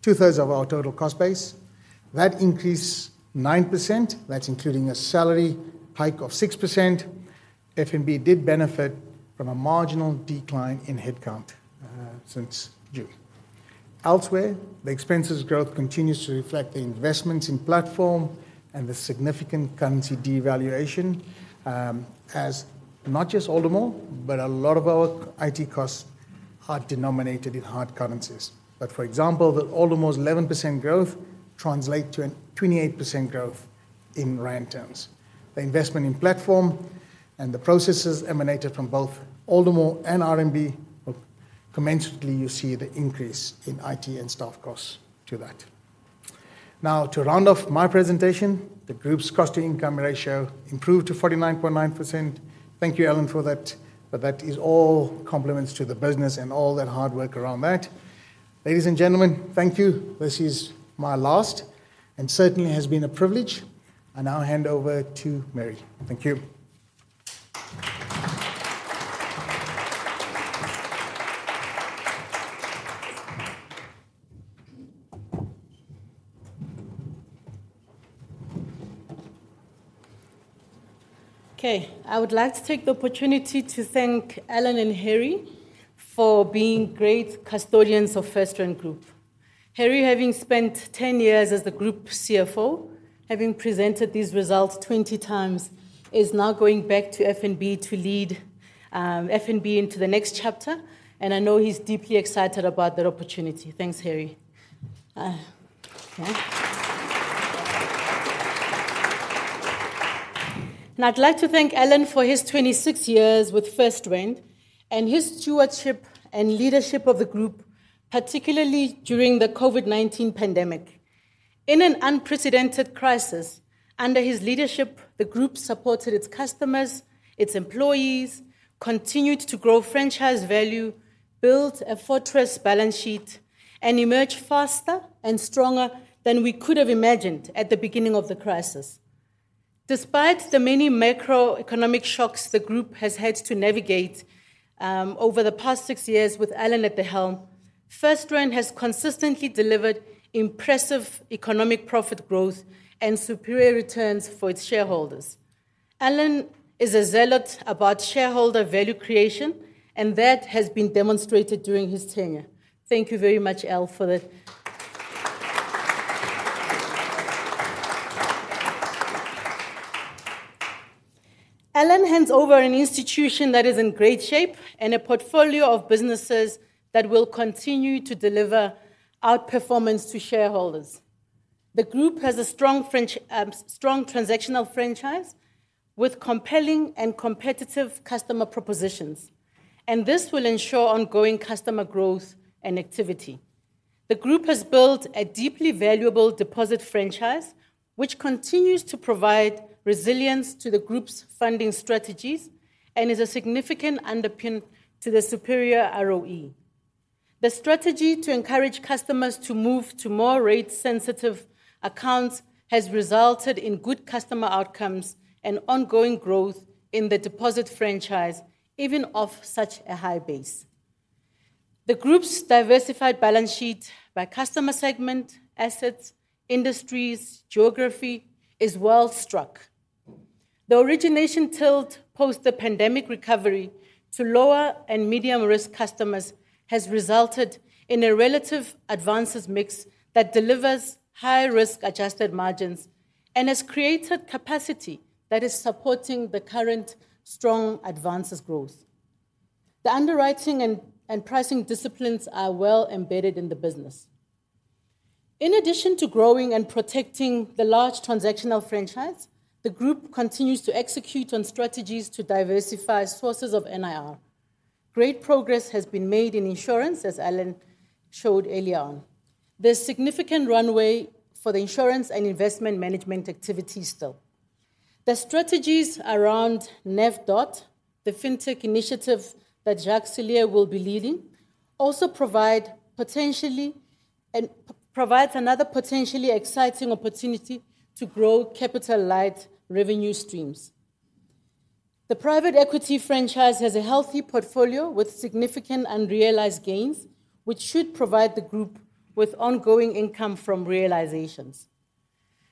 two-thirds of our total cost base. That increase, 9%, that's including a salary hike of 6%. FNB did benefit from a marginal decline in headcount since June. Elsewhere, the expenses growth continues to reflect the investments in platform and the significant currency devaluation, as not just Aldermore, but a lot of our IT costs are denominated in hard currencies. But, for example, the Aldermore's 11% growth translate to a 28% growth in rand terms. The investment in platform and the processes emanated from both Aldermore and RMB, but commensurately, you see the increase in IT and staff costs to that. Now, to round off my presentation, the group's cost-to-income ratio improved to 49.9%. Thank you, Alan, for that, but that is all compliments to the business and all that hard work around that. Ladies and gentlemen, thank you. This is my last, and certainly has been a privilege. I now hand over to Mary. Thank you. Okay, I would like to take the opportunity to thank Alan and Harry for being great custodians of FirstRand Group. Harry, having spent 10 years as the Group CFO, having presented these results 20 times, is now going back to FNB to lead FNB into the next chapter, and I know he's deeply excited about that opportunity. Thanks, Harry. And I'd like to thank Alan for his 26 years with FirstRand and his stewardship and leadership of the group, particularly during the COVID-19 pandemic. In an unprecedented crisis, under his leadership, the group supported its customers, its employees, continued to grow franchise value, built a fortress balance sheet, and emerged faster and stronger than we could have imagined at the beginning of the crisis. Despite the many macroeconomic shocks the group has had to navigate over the past six years with Alan at the helm, FirstRand has consistently delivered impressive economic profit growth and superior returns for its shareholders. Alan is a zealot about shareholder value creation, and that has been demonstrated during his tenure. Thank you very much, Al, for that. Alan hands over an institution that is in great shape and a portfolio of businesses that will continue to deliver outperformance to shareholders. The group has a strong franchise with compelling and competitive customer propositions, and this will ensure ongoing customer growth and activity. The group has built a deeply valuable deposit franchise, which continues to provide resilience to the group's funding strategies and is a significant underpin to the superior ROE. The strategy to encourage customers to move to more rate-sensitive accounts has resulted in good customer outcomes and ongoing growth in the deposit franchise, even off such a high base. The group's diversified balance sheet by customer segment, assets, industries, geography, is well struck. The origination tilt post the pandemic recovery to lower and medium-risk customers has resulted in a relative advances mix that delivers high risk-adjusted margins and has created capacity that is supporting the current strong advances growth. The underwriting and pricing disciplines are well embedded in the business. In addition to growing and protecting the large transactional franchise, the group continues to execute on strategies to diversify sources of NIR. Great progress has been made in insurance, as Alan showed earlier on. There's significant runway for the insurance and investment management activities still. The strategies around nav», the fintech initiative that Jacques Celliers will be leading, also provide potentially and provides another potentially exciting opportunity to grow capital light revenue streams. The private equity franchise has a healthy portfolio with significant unrealized gains, which should provide the group with ongoing income from realizations.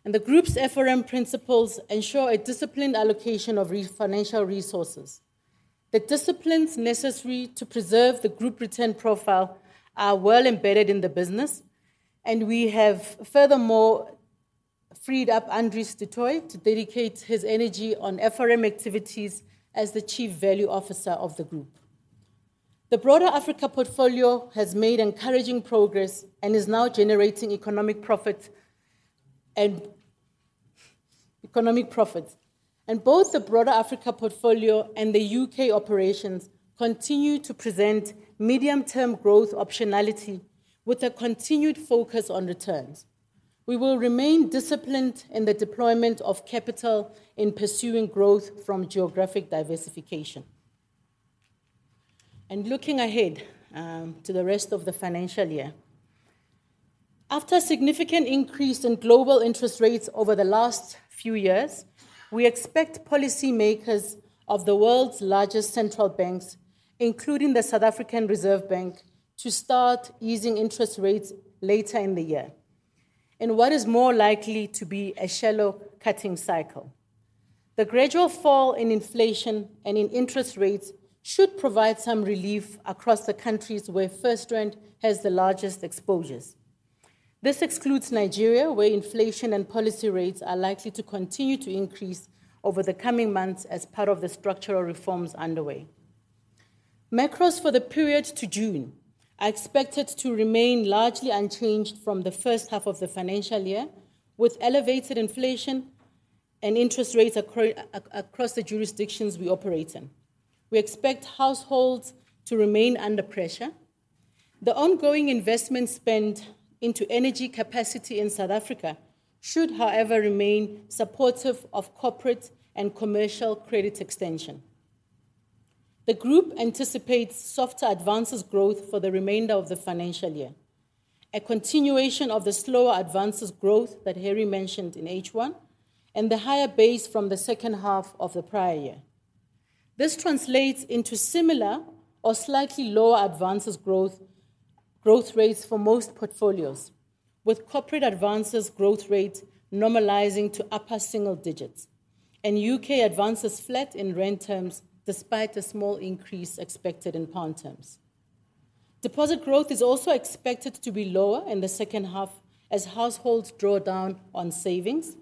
The group's FRM principles ensure a disciplined allocation of financial resources. The disciplines necessary to preserve the group return profile are well embedded in the business, and we have furthermore freed up Andries du Toit to dedicate his energy on FRM activities as the chief value officer of the group. The broader Africa portfolio has made encouraging progress and is now generating economic profit and economic profit. Both the broader Africa portfolio and the UK operations continue to present medium-term growth optionality with a continued focus on returns. We will remain disciplined in the deployment of capital in pursuing growth from geographic diversification. Looking ahead to the rest of the financial year, after a significant increase in global interest rates over the last few years, we expect policymakers of the world's largest central banks, including the South African Reserve Bank, to start easing interest rates later in the year, in what is more likely to be a shallow cutting cycle. The gradual fall in inflation and in interest rates should provide some relief across the countries where FirstRand has the largest exposures. This excludes Nigeria, where inflation and policy rates are likely to continue to increase over the coming months as part of the structural reforms underway. Macros for the period to June are expected to remain largely unchanged from the first half of the financial year, with elevated inflation and interest rates across the jurisdictions we operate in. We expect households to remain under pressure. The ongoing investment spend into energy capacity in South Africa should, however, remain supportive of corporate and commercial credit extension. The group anticipates softer advances growth for the remainder of the financial year, a continuation of the slower advances growth that Harry mentioned in H1, and the higher base from the second half of the prior year. This translates into similar or slightly lower advances growth, growth rates for most portfolios, with corporate advances growth rate normalizing to upper single digits, and UK advances flat in rand terms, despite a small increase expected in pound terms. Deposit growth is also expected to be lower in the second half as households draw down on savings.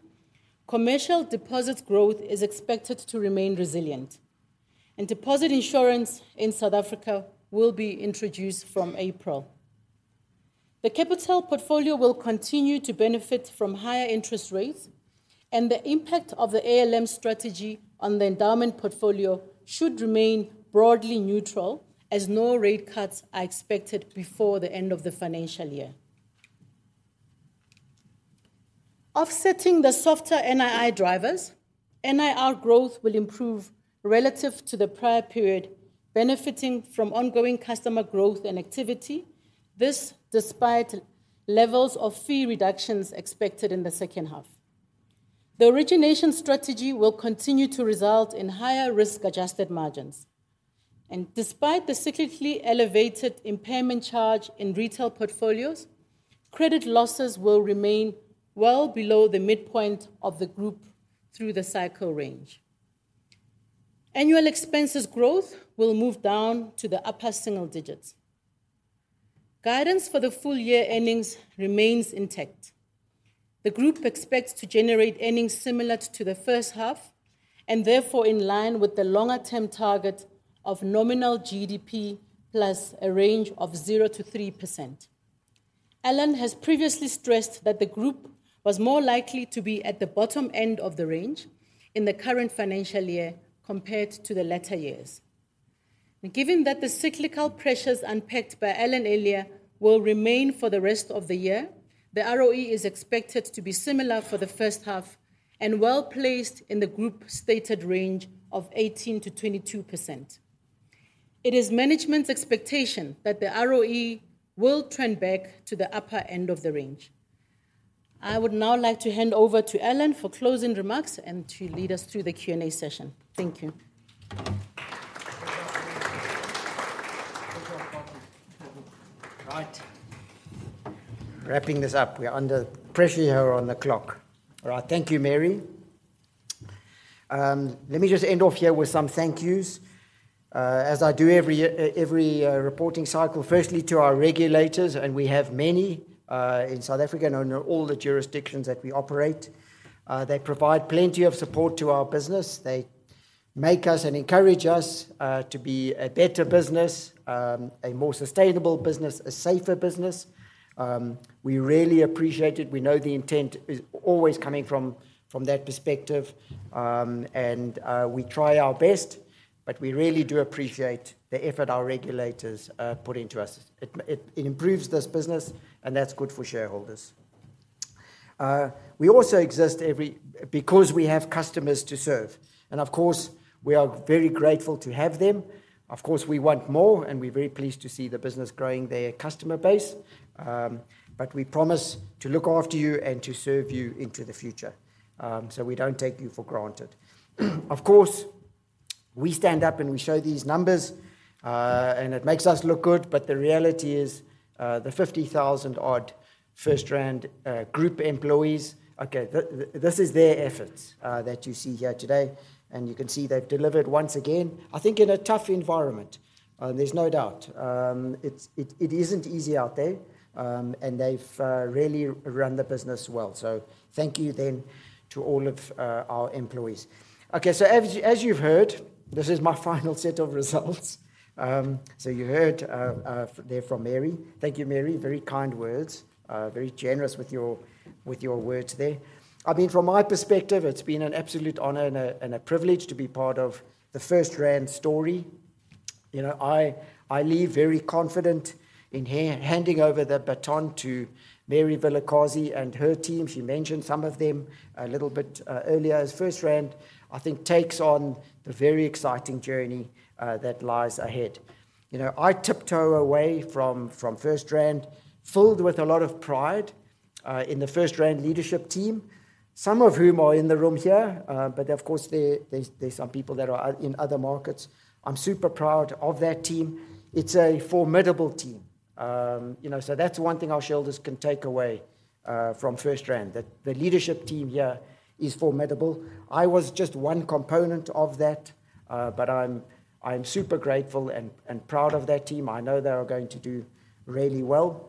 Commercial deposit growth is expected to remain resilient, and deposit insurance in South Africa will be introduced from April. The capital portfolio will continue to benefit from higher interest rates, and the impact of the ALM strategy on the endowment portfolio should remain broadly neutral, as no rate cuts are expected before the end of the financial year. Offsetting the softer NII drivers, NIR growth will improve relative to the prior period, benefiting from ongoing customer growth and activity. This despite levels of fee reductions expected in the second half. The origination strategy will continue to result in higher risk-adjusted margins, and despite the cyclically elevated impairment charge in retail portfolios, credit losses will remain well below the midpoint of the group through the cycle range. Annual expenses growth will move down to the upper single digits. Guidance for the full-year earnings remains intact. The group expects to generate earnings similar to the first half, and therefore in line with the longer-term target of nominal GDP plus a range of 0%-3%. Alan has previously stressed that the group was more likely to be at the bottom end of the range in the current financial year compared to the latter years.... Given that the cyclical pressures unpacked by Alan earlier will remain for the rest of the year, the ROE is expected to be similar for the first half and well placed in the group's stated range of 18%-22%. It is management's expectation that the ROE will trend back to the upper end of the range. I would now like to hand over to Alan for closing remarks and to lead us through the Q&A session. Thank you. Right. Wrapping this up, we are under pressure here on the clock. All right, thank you, Mary. Let me just end off here with some thank yous, as I do every reporting cycle. Firstly, to our regulators, and we have many, in South Africa and under all the jurisdictions that we operate. They provide plenty of support to our business. They make us and encourage us, to be a better business, a more sustainable business, a safer business. We really appreciate it. We know the intent is always coming from that perspective, and we try our best, but we really do appreciate the effort our regulators put into us. It improves this business, and that's good for shareholders. We also exist every... because we have customers to serve, and of course, we are very grateful to have them. Of course, we want more, and we're very pleased to see the business growing their customer base. But we promise to look after you and to serve you into the future. So we don't take you for granted. Of course, we stand up, and we show these numbers, and it makes us look good, but the reality is, the 50,000-odd FirstRand group employees, okay, this is their efforts that you see here today, and you can see they've delivered once again, I think in a tough environment. There's no doubt. It isn't easy out there, and they've really run the business well. So thank you then to all of our employees. Okay, so as you've heard, this is my final set of results. So you heard there from Mary. Thank you, Mary. Very kind words. Very generous with your words there. I mean, from my perspective, it's been an absolute honor and a privilege to be part of the FirstRand story. You know, I leave very confident in handing over the baton to Mary Vilakazi and her team. She mentioned some of them a little bit earlier. As FirstRand takes on the very exciting journey that lies ahead. You know, I tiptoe away from FirstRand, filled with a lot of pride in the FirstRand leadership team, some of whom are in the room here, but of course, there's some people that are out in other markets. I'm super proud of that team. It's a formidable team. You know, so that's one thing our shareholders can take away from FirstRand, that the leadership team here is formidable. I was just one component of that, but I'm super grateful and proud of that team. I know they are going to do really well.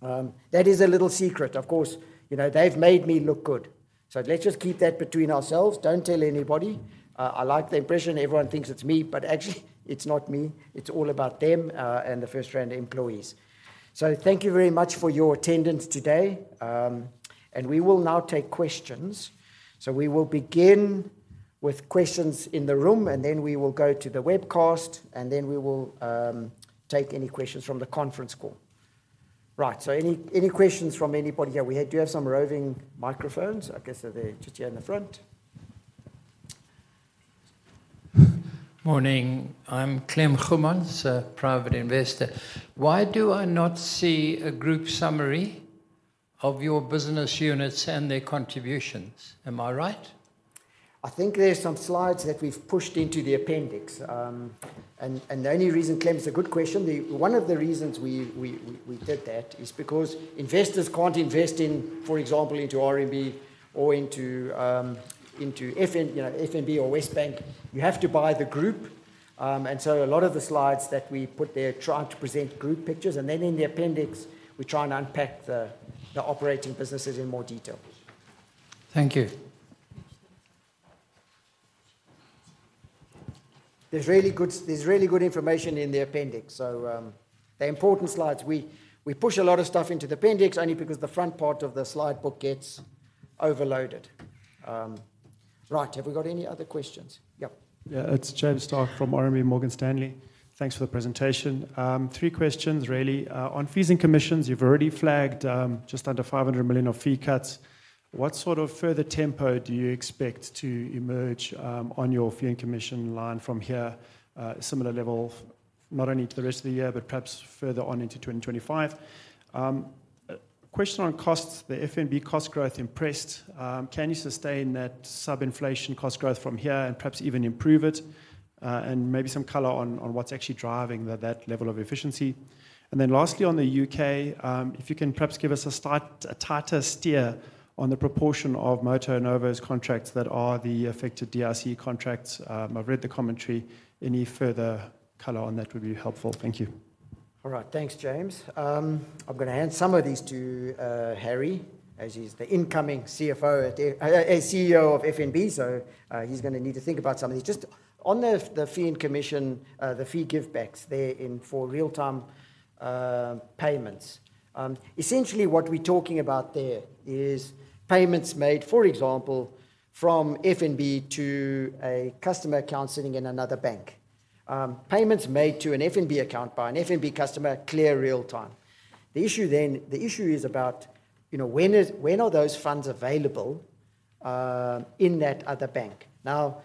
That is a little secret. Of course, you know, they've made me look good, so let's just keep that between ourselves. Don't tell anybody. I like the impression everyone thinks it's me, but actually, it's not me. It's all about them and the FirstRand employees. So thank you very much for your attendance today. And we will now take questions. So we will begin with questions in the room, and then we will go to the webcast, and then we will take any questions from the conference call. Right, so any, any questions from anybody here? We do have some roving microphones. I guess they're just here in the front. Morning. I'm Clem Goemans, a private investor. Why do I not see a group summary of your business units and their contributions? Am I right? I think there are some slides that we've pushed into the appendix. And the only reason, Clem, it's a good question. One of the reasons we did that is because investors can't invest in, for example, into RMB or into FNB, you know, FNB or WesBank. You have to buy the group. And so a lot of the slides that we put there trying to present group pictures, and then in the appendix, we're trying to unpack the operating businesses in more detail. Thank you. There's really good, there's really good information in the appendix. So, the important slides, we push a lot of stuff into the appendix only because the front part of the slide book gets overloaded. Right. Have we got any other questions? Yep. Yeah, it's James Starke from RMB Morgan Stanley. Thanks for the presentation. 3 questions really. On fees and commissions, you've already flagged just under 500 million of fee cuts. What sort of further tempo do you expect to emerge on your fee and commission line from here? Similar level, not only to the rest of the year, but perhaps further on into 2025. Question on costs, the FNB cost growth impressed. Can you sustain that sub-inflation cost growth from here and perhaps even improve it? And maybe some color on what's actually driving that level of efficiency. And then lastly, on the UK, if you can perhaps give us a tighter steer on the proportion of MotoNovo's contracts that are the affected DRC contracts. I've read the commentary. Any further color on that would be helpful. Thank you. All right. Thanks, James. I'm going to hand some of these to Harry, as he's the incoming CFO at—CEO of FNB, so he's going to need to think about some of these. Just on the fee and commission, the fee give backs there in for real-time payments. Essentially, what we're talking about there is payments made, for example, from FNB to a customer account sitting in another bank.... payments made to an FNB account by an FNB customer clear real time. The issue then, the issue is about, you know, when are those funds available in that other bank? Now,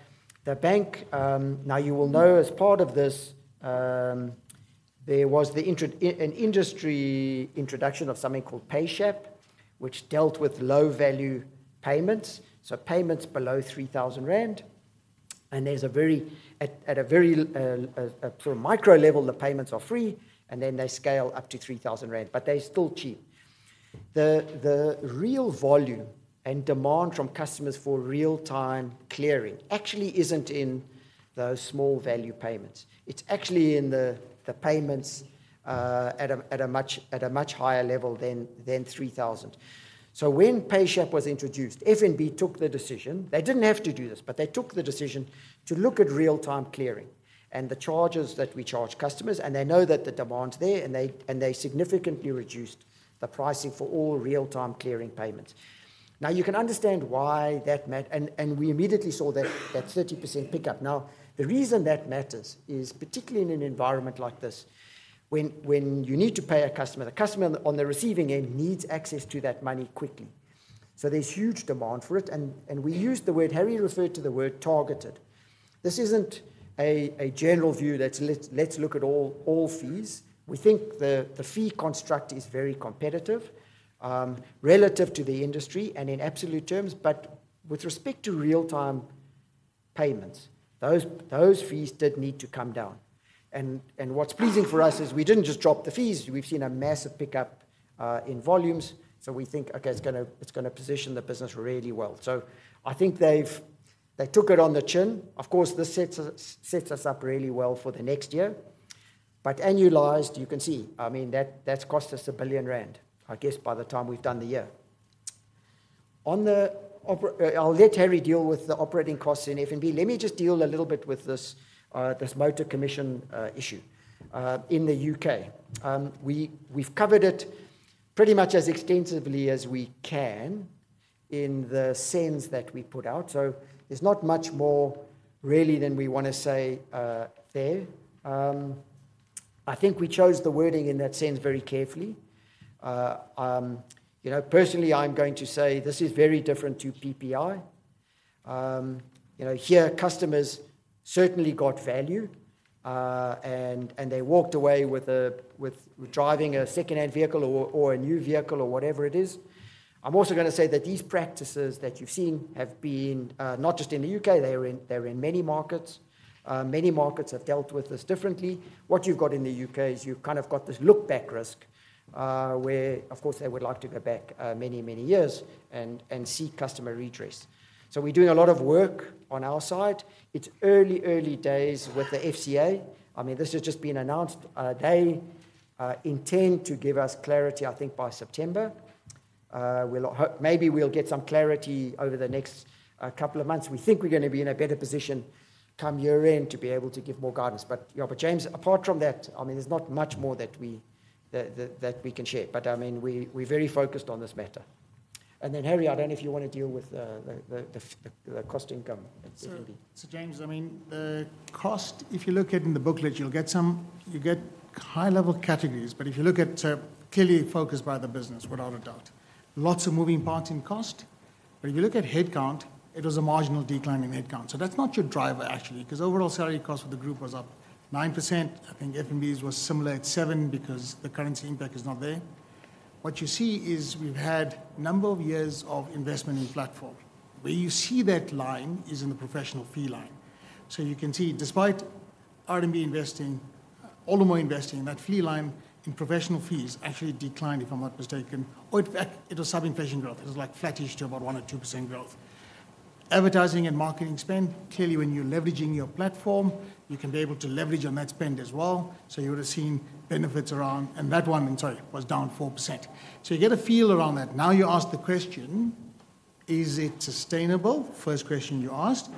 the bank... Now, you will know as part of this, there was the intro—an industry introduction of something called PayShap, which dealt with low value payments, so payments below 3,000 rand. And there's, at a very sort of micro level, the payments are free, and then they scale up to 3,000 rand, but they're still cheap. The real volume and demand from customers for real-time clearing actually isn't in those small value payments. It's actually in the payments at a much higher level than 3,000. So when PayShap was introduced, FNB took the decision. They didn't have to do this, but they took the decision to look at real-time clearing and the charges that we charge customers, and they know that the demand's there, and they significantly reduced the pricing for all real-time clearing payments. Now, you can understand why that mat-- and we immediately saw that 30% pickup. Now, the reason that matters is, particularly in an environment like this, when you need to pay a customer, the customer on the receiving end needs access to that money quickly. So there's huge demand for it, and we used the word. Harry referred to the word targeted. This isn't a general view that let's look at all fees. We think the fee construct is very competitive, relative to the industry and in absolute terms, but with respect to real-time payments, those fees did need to come down. And what's pleasing for us is we didn't just drop the fees, we've seen a massive pickup in volumes. So we think, okay, it's gonna position the business really well. So I think they've. They took it on the chin. Of course, this sets us, sets us up really well for the next year. But annualized, you can see, I mean, that, that's cost us 1 billion rand, I guess, by the time we've done the year. On the operating costs in FNB, I'll let Harry deal with the operating costs in FNB. Let me just deal a little bit with this, this motor commission issue in the UK. We, we've covered it pretty much as extensively as we can in the sense that we put out. So there's not much more really than we wanna say there. I think we chose the wording in that sense very carefully. You know, personally, I'm going to say this is very different to PPI. You know, here, customers certainly got value, and, and they walked away with a, with driving a secondhand vehicle or, or a new vehicle or whatever it is. I'm also gonna say that these practices that you've seen have been, not just in the UK, they're in, they're in many markets. Many markets have dealt with this differently. What you've got in the UK is you've kind of got this look-back risk, where, of course, they would like to go back, many, many years and, and seek customer redress. So we're doing a lot of work on our side. It's early, early days with the FCA. I mean, this has just been announced. They intend to give us clarity, I think, by September. We'll maybe we'll get some clarity over the next, couple of months. We think we're gonna be in a better position come year-end to be able to give more guidance. But, yeah, but James, apart from that, I mean, there's not much more that we can share. But, I mean, we're very focused on this matter. And then, Harry, I don't know if you want to deal with the cost income at FNB. So, James, I mean, the cost, if you look at in the booklet, you'll get some... You get high-level categories. But if you look at, clearly focused by the business without a doubt. Lots of moving parts in cost, but if you look at headcount, it was a marginal decline in headcount. So that's not your driver, actually, 'cause overall salary cost of the group was up 9%. I think FNB's was similar at 7% because the currency impact is not there. What you see is we've had number of years of investment in platform. Where you see that line is in the professional fee line. So you can see, despite RMB investing, Ultimo investing, in that fee line, in professional fees actually declined, if I'm not mistaken. Or in fact, it was subinflation growth. It was like flattish to about 1% or 2% growth. Advertising and marketing spend, clearly, when you're leveraging your platform, you can be able to leverage on that spend as well. So you would have seen benefits around... And that one, I'm sorry, was down 4%. So you get a feel around that. Now, you ask the question: Is it sustainable? First question you asked.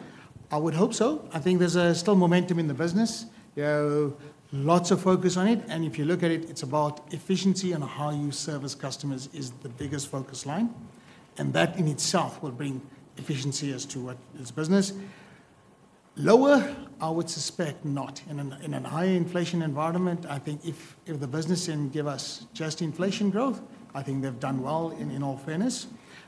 I would hope so. I think there's still momentum in the business. You have lots of focus on it, and if you look at it, it's about efficiency and how you service customers is the biggest focus line, and that in itself will bring efficiency as to what is business. Lower, I would suspect not. In a high inflation environment, I think if the business can give us just inflation growth, I think they've done well, in all fairness.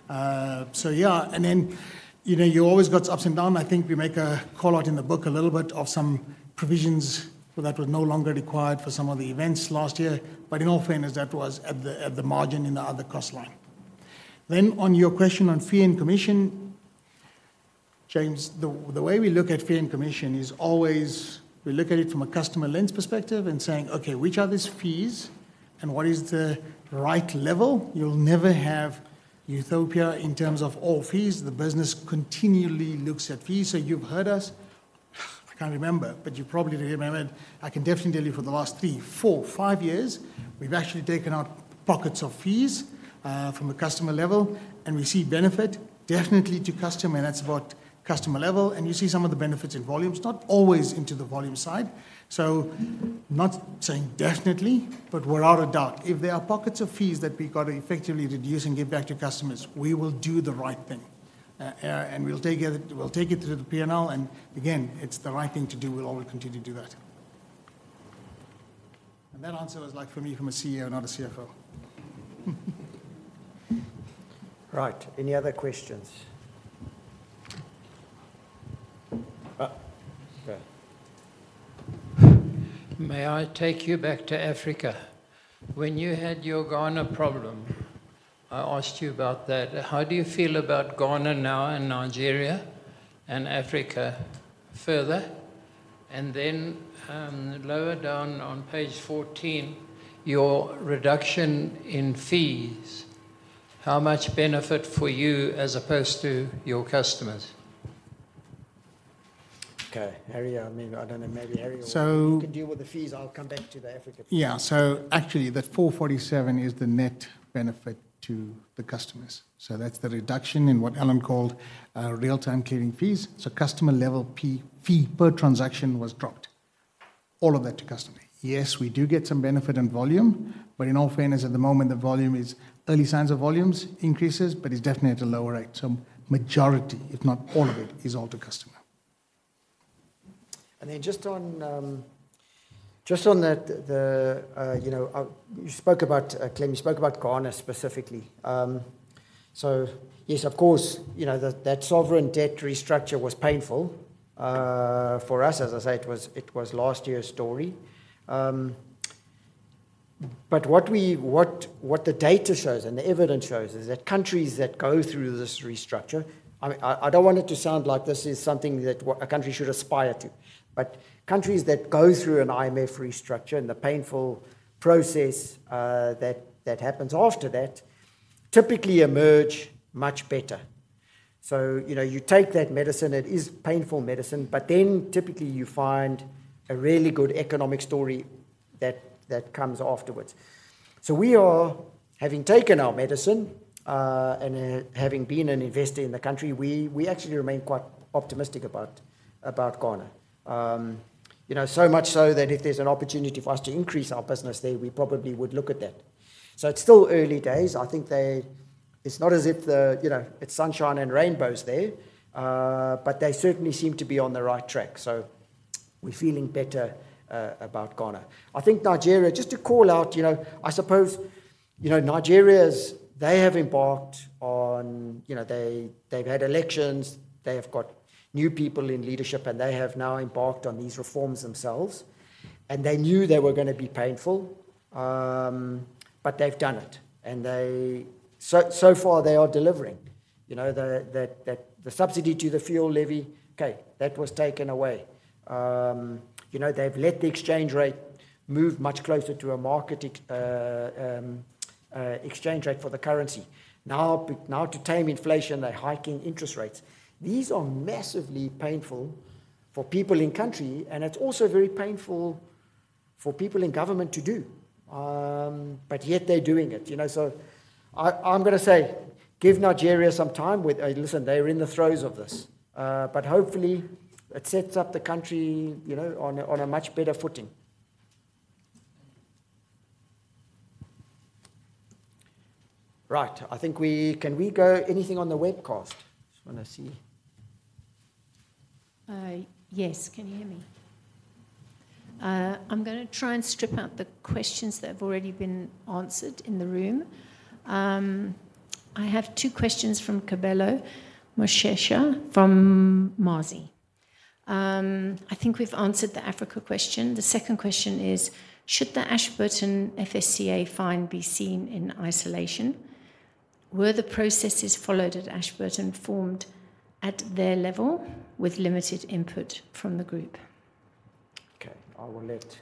So yeah, and then, you know, you always got ups and down. I think we make a call-out in the book a little bit of some provisions, so that was no longer required for some of the events last year. But in all fairness, that was at the margin in the other cost line. Then on your question on fee and commission, James, the way we look at fee and commission is always we look at it from a customer lens perspective and saying: Okay, which are these fees, and what is the right level? You'll never have utopia in terms of all fees. The business continually looks at fees. So you've heard us, I can't remember, but you've probably heard me mention, I can definitely tell you for the last 3, 4, 5 years, we've actually taken out pockets of fees from a customer level, and we see benefit definitely to customer, and that's about customer level. And you see some of the benefits in volumes, not always into the volume side. So not saying definitely, but without a doubt, if there are pockets of fees that we've got to effectively reduce and give back to customers, we will do the right thing, and we'll take it, we'll take it through the P&L, and again, it's the right thing to do. We'll always continue to do that. And that answer is like from me, from a CEO, not a CFO. Right. Any other questions? Go ahead. May I take you back to Africa? When you had your Ghana problem, I asked you about that. How do you feel about Ghana now and Nigeria and Africa further? And then, lower down on page 14, your reduction in fees, how much benefit for you as opposed to your customers? Okay, Harry, I mean, I don't know, maybe Harry will- So- You can deal with the fees. I'll come back to the Africa. Yeah. So actually, the 447 is the net benefit to the customers. So that's the reduction in what Alan called, real-time clearing fees. So customer level fee per transaction was dropped, all of that to customer. Yes, we do get some benefit in volume, but in all fairness, at the moment, the volume is early signs of volumes increases, but it's definitely at a lower rate. So majority, if not all of it, is all to customer. Then just on that, you know, you spoke about Clem, you spoke about Ghana specifically. So yes, of course, you know, that sovereign debt restructure was painful for us. As I say, it was last year's story. But what the data shows and the evidence shows is that countries that go through this restructure. I don't want it to sound like this is something that a country should aspire to, but countries that go through an IMF restructure and the painful process that happens after that, typically emerge much better. So, you know, you take that medicine, it is painful medicine, but then typically you find a really good economic story that comes afterwards. So we are, having taken our medicine, and having been an investor in the country, we actually remain quite optimistic about Ghana. You know, so much so that if there's an opportunity for us to increase our business there, we probably would look at that. So it's still early days. I think they. It's not as if the, you know, it's sunshine and rainbows there, but they certainly seem to be on the right track, so we're feeling better about Ghana. I think Nigeria, just to call out, you know, I suppose, you know, Nigeria's. They have embarked on, you know, they've had elections, they have got new people in leadership, and they have now embarked on these reforms themselves. And they knew they were gonna be painful, but they've done it, and they... So far, they are delivering, you know, that the subsidy to the fuel levy, okay, that was taken away. You know, they've let the exchange rate move much closer to a market exchange rate for the currency. Now, to tame inflation, they're hiking interest rates. These are massively painful for people in country, and it's also very painful for people in government to do. But yet they're doing it, you know? So I'm gonna say give Nigeria some time with... Listen, they are in the throes of this. But hopefully it sets up the country, you know, on a much better footing. Right. I think we can... Can we go... Anything on the webcast? Just wanna see. Yes. Can you hear me? I'm gonna try and strip out the questions that have already been answered in the room. I have two questions from Kabelo Moshesha, from Mazi. I think we've answered the Africa question. The second question is: Should the Ashburton FSCA fine be seen in isolation? Were the processes followed at Ashburton formed at their level with limited input from the group? Okay, I will let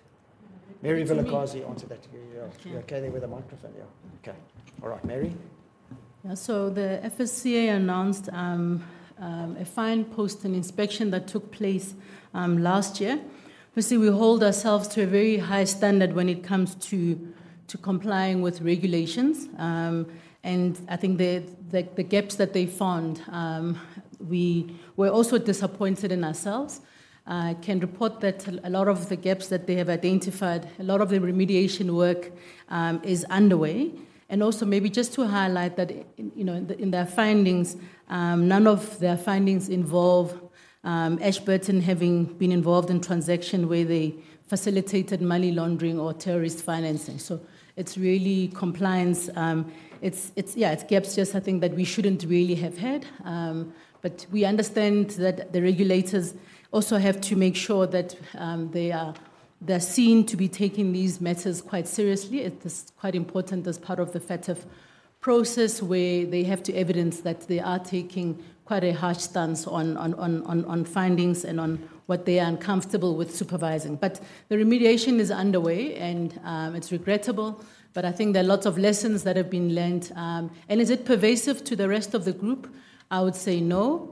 Mary Vilakazi Mary? answer that. Yeah. Yeah. You okay there with the microphone? Yeah. Okay. All right, Mary. Yeah, so the FSCA announced a fine post an inspection that took place last year. Obviously, we hold ourselves to a very high standard when it comes to complying with regulations. And I think the gaps that they found, we were also disappointed in ourselves. I can report that a lot of the gaps that they have identified, a lot of the remediation work is underway. And also maybe just to highlight that, you know, in their findings, none of their findings involve Ashburton having been involved in transaction where they facilitated money laundering or terrorist financing. So it's really compliance... It's, it's-- yeah, it's gaps just I think that we shouldn't really have had. But we understand that the regulators also have to make sure that they are, they're seen to be taking these matters quite seriously. It is quite important as part of the FATF process, where they have to evidence that they are taking quite a harsh stance on findings and on what they are uncomfortable with supervising. But the remediation is underway, and it's regrettable, but I think there are lots of lessons that have been learned. And is it pervasive to the rest of the group? I would say no,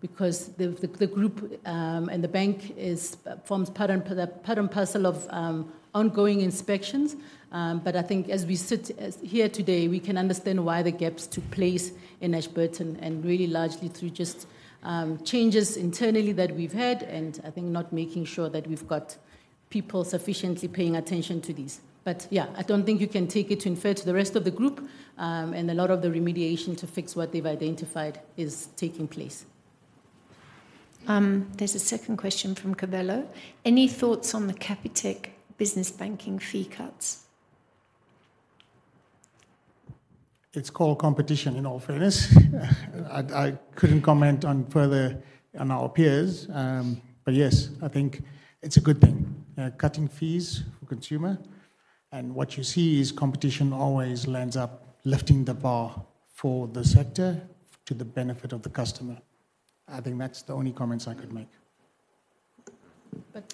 because the group and the bank forms part and parcel of ongoing inspections. But I think as we sit here today, we can understand why the gaps took place in Ashburton, and really largely through just changes internally that we've had, and I think not making sure that we've got people sufficiently paying attention to these. But yeah, I don't think you can take it to infer to the rest of the group, and a lot of the remediation to fix what they've identified is taking place. There's a second question from Kabelo. Any thoughts on the Capitec business banking fee cuts? It's called competition, in all fairness. I couldn't comment further on our peers. But yes, I think it's a good thing, cutting fees for consumer. What you see is competition always ends up lifting the bar for the sector to the benefit of the customer. I think that's the only comments I could make. But,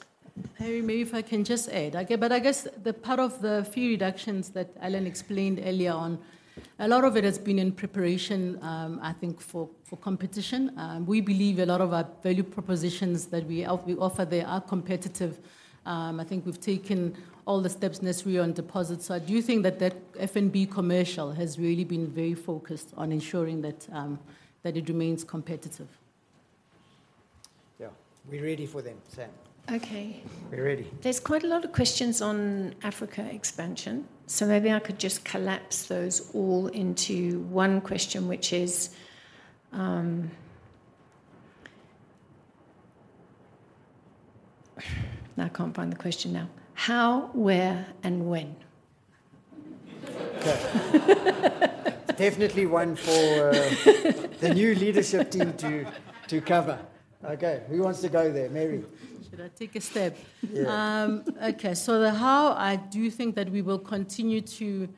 Harry, maybe if I can just add. Okay, but I guess the part of the fee reductions that Alan explained earlier on, a lot of it has been in preparation, I think for competition. We believe a lot of our value propositions that we offer there are competitive. I think we've taken all the steps necessary on deposit. So I do think that that FNB Commercial has really been very focused on ensuring that it remains competitive. Yeah, we're ready for them, Sam. Okay. We're ready. There's quite a lot of questions on Africa expansion, so maybe I could just collapse those all into one question, which is, I can't find the question now. How, where, and when? Okay. Definitely one for the new leadership team to cover. Okay, who wants to go there? Mary. Should I take a stab? Yeah. Okay. So the how, I do think that we will continue to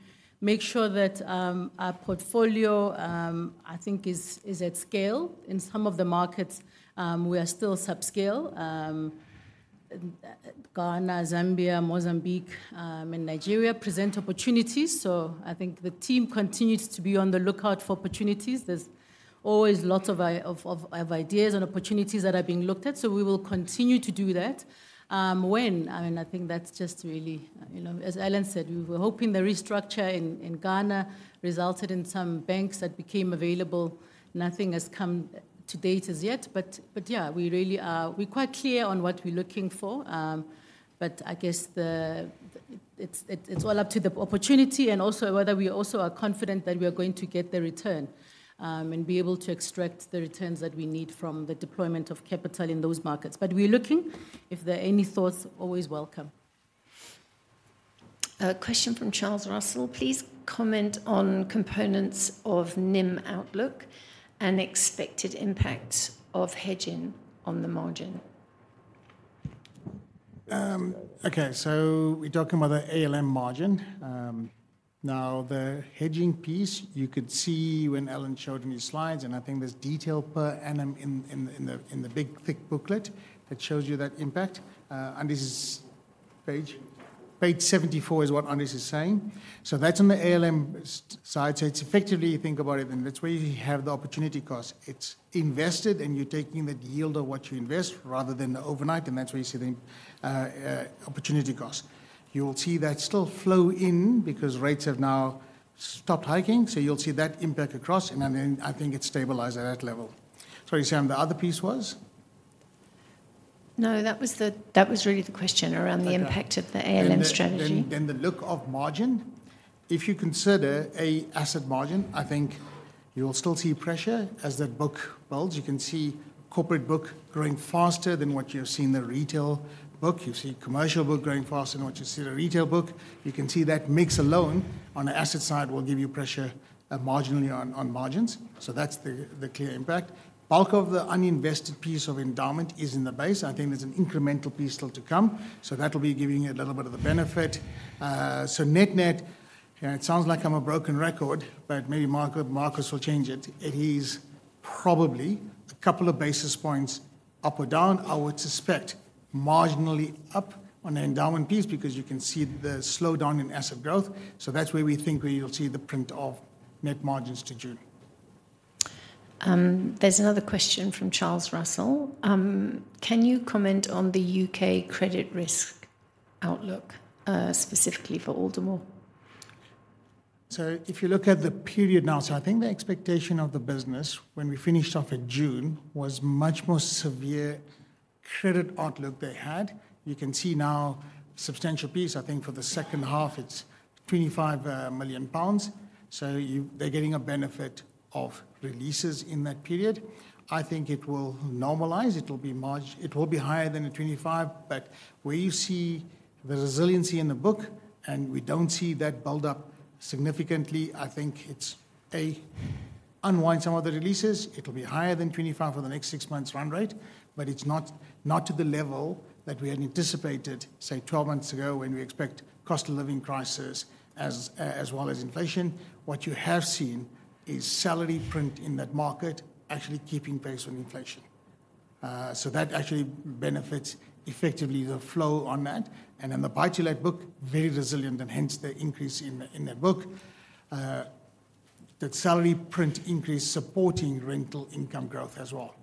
make sure that our portfolio, I think is at scale. In some of the markets, we are still subscale. Ghana, Zambia, Mozambique, and Nigeria present opportunities, so I think the team continues to be on the lookout for opportunities. There's always lots of ideas and opportunities that are being looked at, so we will continue to do that. When? I mean, I think that's just really... You know, as Alan said, we were hoping the restructure in Ghana resulted in some banks that became available. Nothing has come to date as yet, but yeah, we really are- we're quite clear on what we're looking for. But I guess it's all up to the opportunity, and also whether we also are confident that we are going to get the return, and be able to extract the returns that we need from the deployment of capital in those markets. But we're looking. If there are any thoughts, always welcome. A question from Charles Russell: Please comment on components of NIM outlook and expected impact of hedging on the margin. Okay, so we're talking about the ALM margin. Now, the hedging piece, you could see when Alan showed in his slides, and I think there's detail per annum in the big, thick booklet that shows you that impact. And this is page 74, what Andries is saying. So that's on the ALM side. So it's effectively, you think about it, and that's where you have the opportunity cost. It's invested, and you're taking the yield of what you invest rather than the overnight, and that's where you see the opportunity cost. You'll see that still flow in because rates have now stopped hiking, so you'll see that impact across, and then I think it stabilized at that level. Sorry, Sam, the other piece was? No, that was really the question around the impact- Okay. - of the ALM strategy. Then the look of margin. If you consider an asset margin, I think you'll still see pressure as that book builds. You can see corporate book growing faster than what you have seen in the retail book. You see commercial book growing faster than what you see in the retail book. You can see that mix alone on the asset side will give you pressure, marginally on, on margins. So that's the, the clear impact. Bulk of the uninvested piece of endowment is in the base. I think there's an incremental piece still to come, so that'll be giving you a little bit of the benefit. So net-net, and it sounds like I'm a broken record, but maybe Markos will change it, it is probably a couple of basis points up or down. I would suspect marginally up on the endowment piece because you can see the slowdown in asset growth. So that's where we think you'll see the print of net margins to June. There's another question from Charles Russell. Can you comment on the UK credit risk outlook, specifically for Aldermore? So if you look at the period now, so I think the expectation of the business when we finished off in June was much more severe credit outlook they had. You can see now substantial piece, I think for the second half, it's 25 million pounds, so they're getting a benefit of releases in that period. I think it will normalize. It'll be more- it will be higher than the 25, but where you see the resiliency in the book, and we don't see that build up significantly, I think it's a unwind some of the releases. It'll be higher than 25 for the next six months run rate, but it's not, not to the level that we had anticipated, say, 12 months ago when we expect cost of living crisis as, as well as inflation. What you have seen is salary print in that market actually keeping pace with inflation. So that actually benefits effectively the flow on that. In the buy-to-let book, very resilient, and hence the increase in that book. That salary print increase supporting rental income growth as well.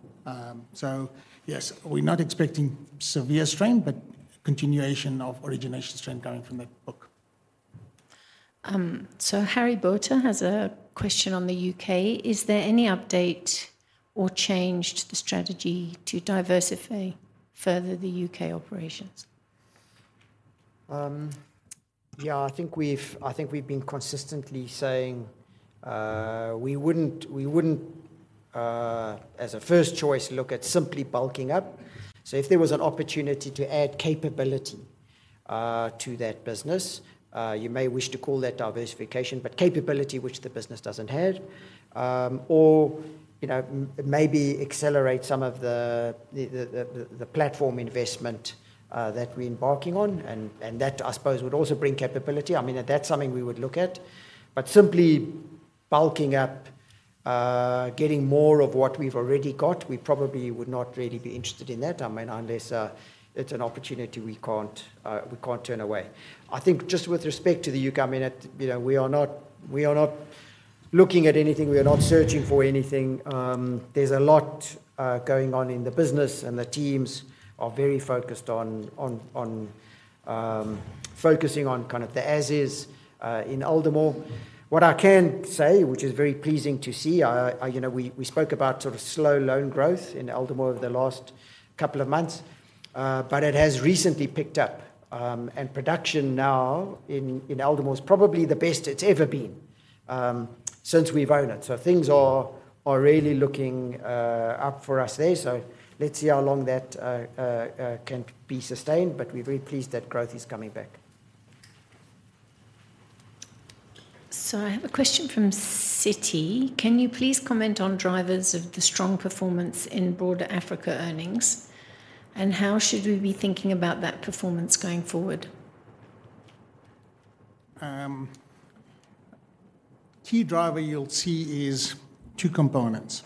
So yes, we're not expecting severe strain, but continuation of origination strength going from that book. Harry Botha has a question on the UK: Is there any update or change to the strategy to diversify further the UK operations?... Yeah, I think we've been consistently saying, we wouldn't, as a first choice, look at simply bulking up. So if there was an opportunity to add capability, to that business, you may wish to call that diversification, but capability which the business doesn't have. Or, you know, maybe accelerate some of the, the platform investment, that we're embarking on, and that, I suppose, would also bring capability. I mean, that's something we would look at. But simply bulking up, getting more of what we've already got, we probably would not really be interested in that, I mean, unless, it's an opportunity we can't turn away. I think just with respect to the UK, I mean, it, you know, we are not looking at anything. We are not searching for anything. There's a lot going on in the business, and the teams are very focused on focusing on kind of the as is in Aldermore. What I can say, which is very pleasing to see. You know, we spoke about sort of slow loan growth in Aldermore over the last couple of months, but it has recently picked up. And production now in Aldermore is probably the best it's ever been since we've owned it. So things are really looking up for us there. So let's see how long that can be sustained, but we're very pleased that growth is coming back. I have a question from Citi. Can you please comment on drivers of the strong performance in broader Africa earnings, and how should we be thinking about that performance going forward? Key driver you'll see is two components.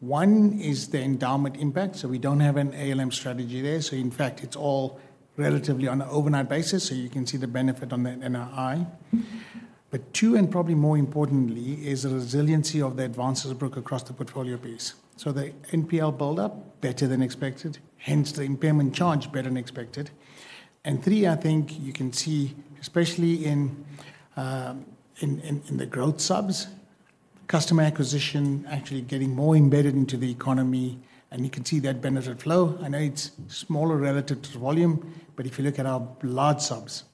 One is the endowment impact, so we don't have an ALM strategy there. So in fact, it's all relatively on an overnight basis, so you can see the benefit on the NII. But two, and probably more importantly, is the resiliency of the advances book across the portfolio base. So the NPL build-up, better than expected, hence the impairment charge, better than expected. And three, I think you can see, especially in the growth subs, customer acquisition actually getting more embedded into the economy, and you can see that benefit flow. I know it's smaller relative to the volume, but if you look at our large subs,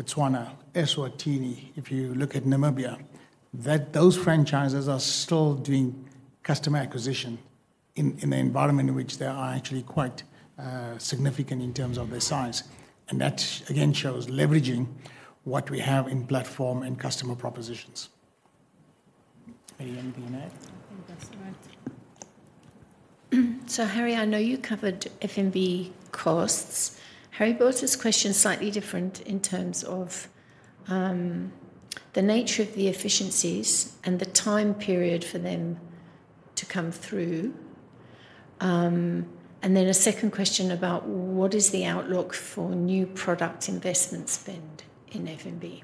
Botswana, Eswatini, if you look at Namibia, those franchises are still doing customer acquisition in an environment in which they are actually quite significant in terms of their size. And that, again, shows leveraging what we have in platform and customer propositions. Harry B next? I think that's right. So, Harry, I know you covered FNB costs. Harry, both these questions are slightly different in terms of, the nature of the efficiencies and the time period for them to come through. And then a second question about what is the outlook for new product investment spend in FNB?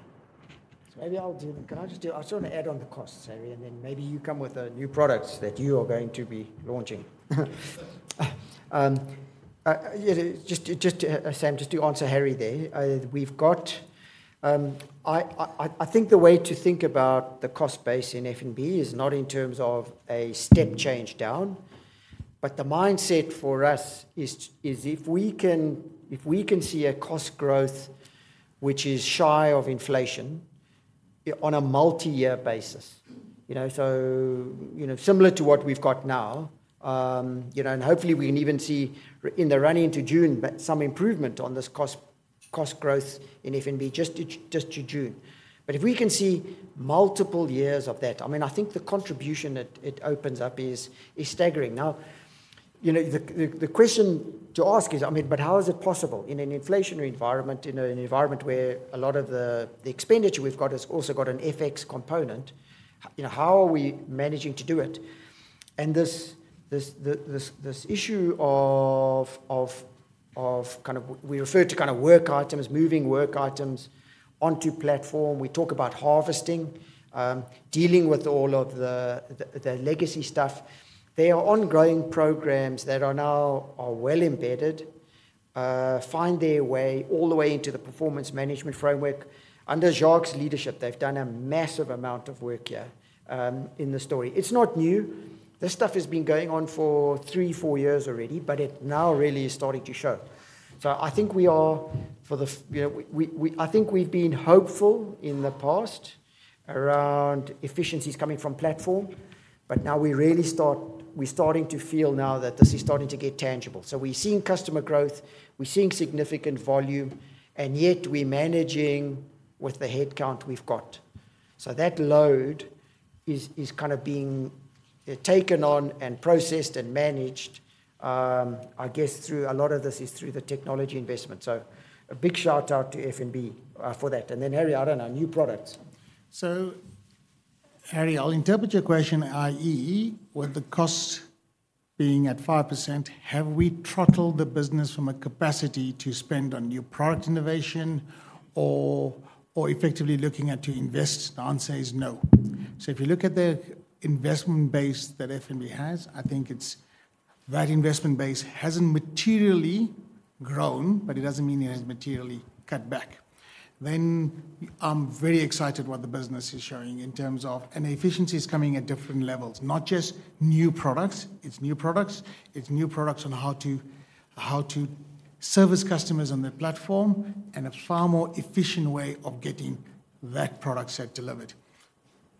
Can I just do—I just want to add on the costs, Harry, and then maybe you come with the new products that you are going to be launching. Yeah, just, just, Sam, just to answer Harry there, we've got. I think the way to think about the cost base in FNB is not in terms of a step change down, but the mindset for us is if we can see a cost growth which is shy of inflation on a multi-year basis, you know, so, you know, similar to what we've got now. You know, and hopefully, we can even see, in the running into June, but some improvement on this cost, cost growth in FNB just to, just to June. But if we can see multiple years of that, I mean, I think the contribution it opens up is staggering. Now, you know, the question to ask is, I mean, but how is it possible in an inflationary environment, in an environment where a lot of the expenditure we've got has also got an FX component, you know, how are we managing to do it? And this issue of kind of... We refer to kind of work items, moving work items onto platform. We talk about harvesting, dealing with all of the legacy stuff. They are ongoing programs that are now well embedded, find their way all the way into the performance management framework. Under Jacques' leadership, they've done a massive amount of work here, in the story. It's not new. This stuff has been going on for three, four years already, but it now really is starting to show. So I think we are for the fuck you know, we, I think we've been hopeful in the past around efficiencies coming from platform, but now we really we're starting to feel now that this is starting to get tangible. So we're seeing customer growth, we're seeing significant volume, and yet we're managing with the headcount we've got. So that load is kind of being taken on and processed and managed. I guess through a lot of this is through the technology investment. So a big shout-out to FNB for that. And then, Harry, I don't know, new products. So, Harry, I'll interpret your question, i.e., with the costs being at 5%, have we throttled the business from a capacity to spend on new product innovation or, or effectively looking at to invest? The answer is no. So if you look at the investment base that FNB has, I think it's... That investment base hasn't materially grown, but it doesn't mean it has materially cut back. Then I'm very excited what the business is showing in terms of... And the efficiency is coming at different levels, not just new products. It's new products. It's new products on how to, how to service customers on the platform and a far more efficient way of getting that product set delivered.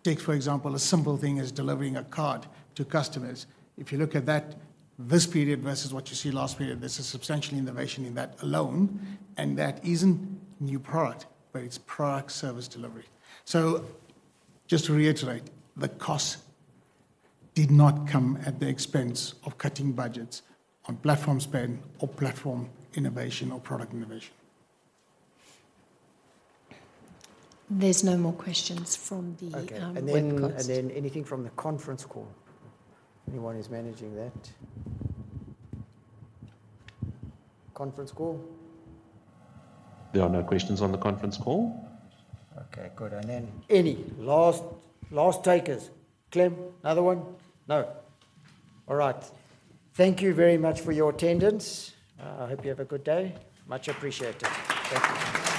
Take, for example, a simple thing as delivering a card to customers. If you look at that, this period versus what you see last period, there's a substantial innovation in that alone, and that isn't new product, but it's product service delivery. So just to reiterate, the cost did not come at the expense of cutting budgets on platform spend or platform innovation or product innovation. There's no more questions from the webcast. Okay. And then, and then anything from the conference call? Anyone who's managing that? Conference call? There are no questions on the conference call. Okay, good. And then any last takers? Clem, another one? No. All right. Thank you very much for your attendance. I hope you have a good day. Much appreciated. Thank you.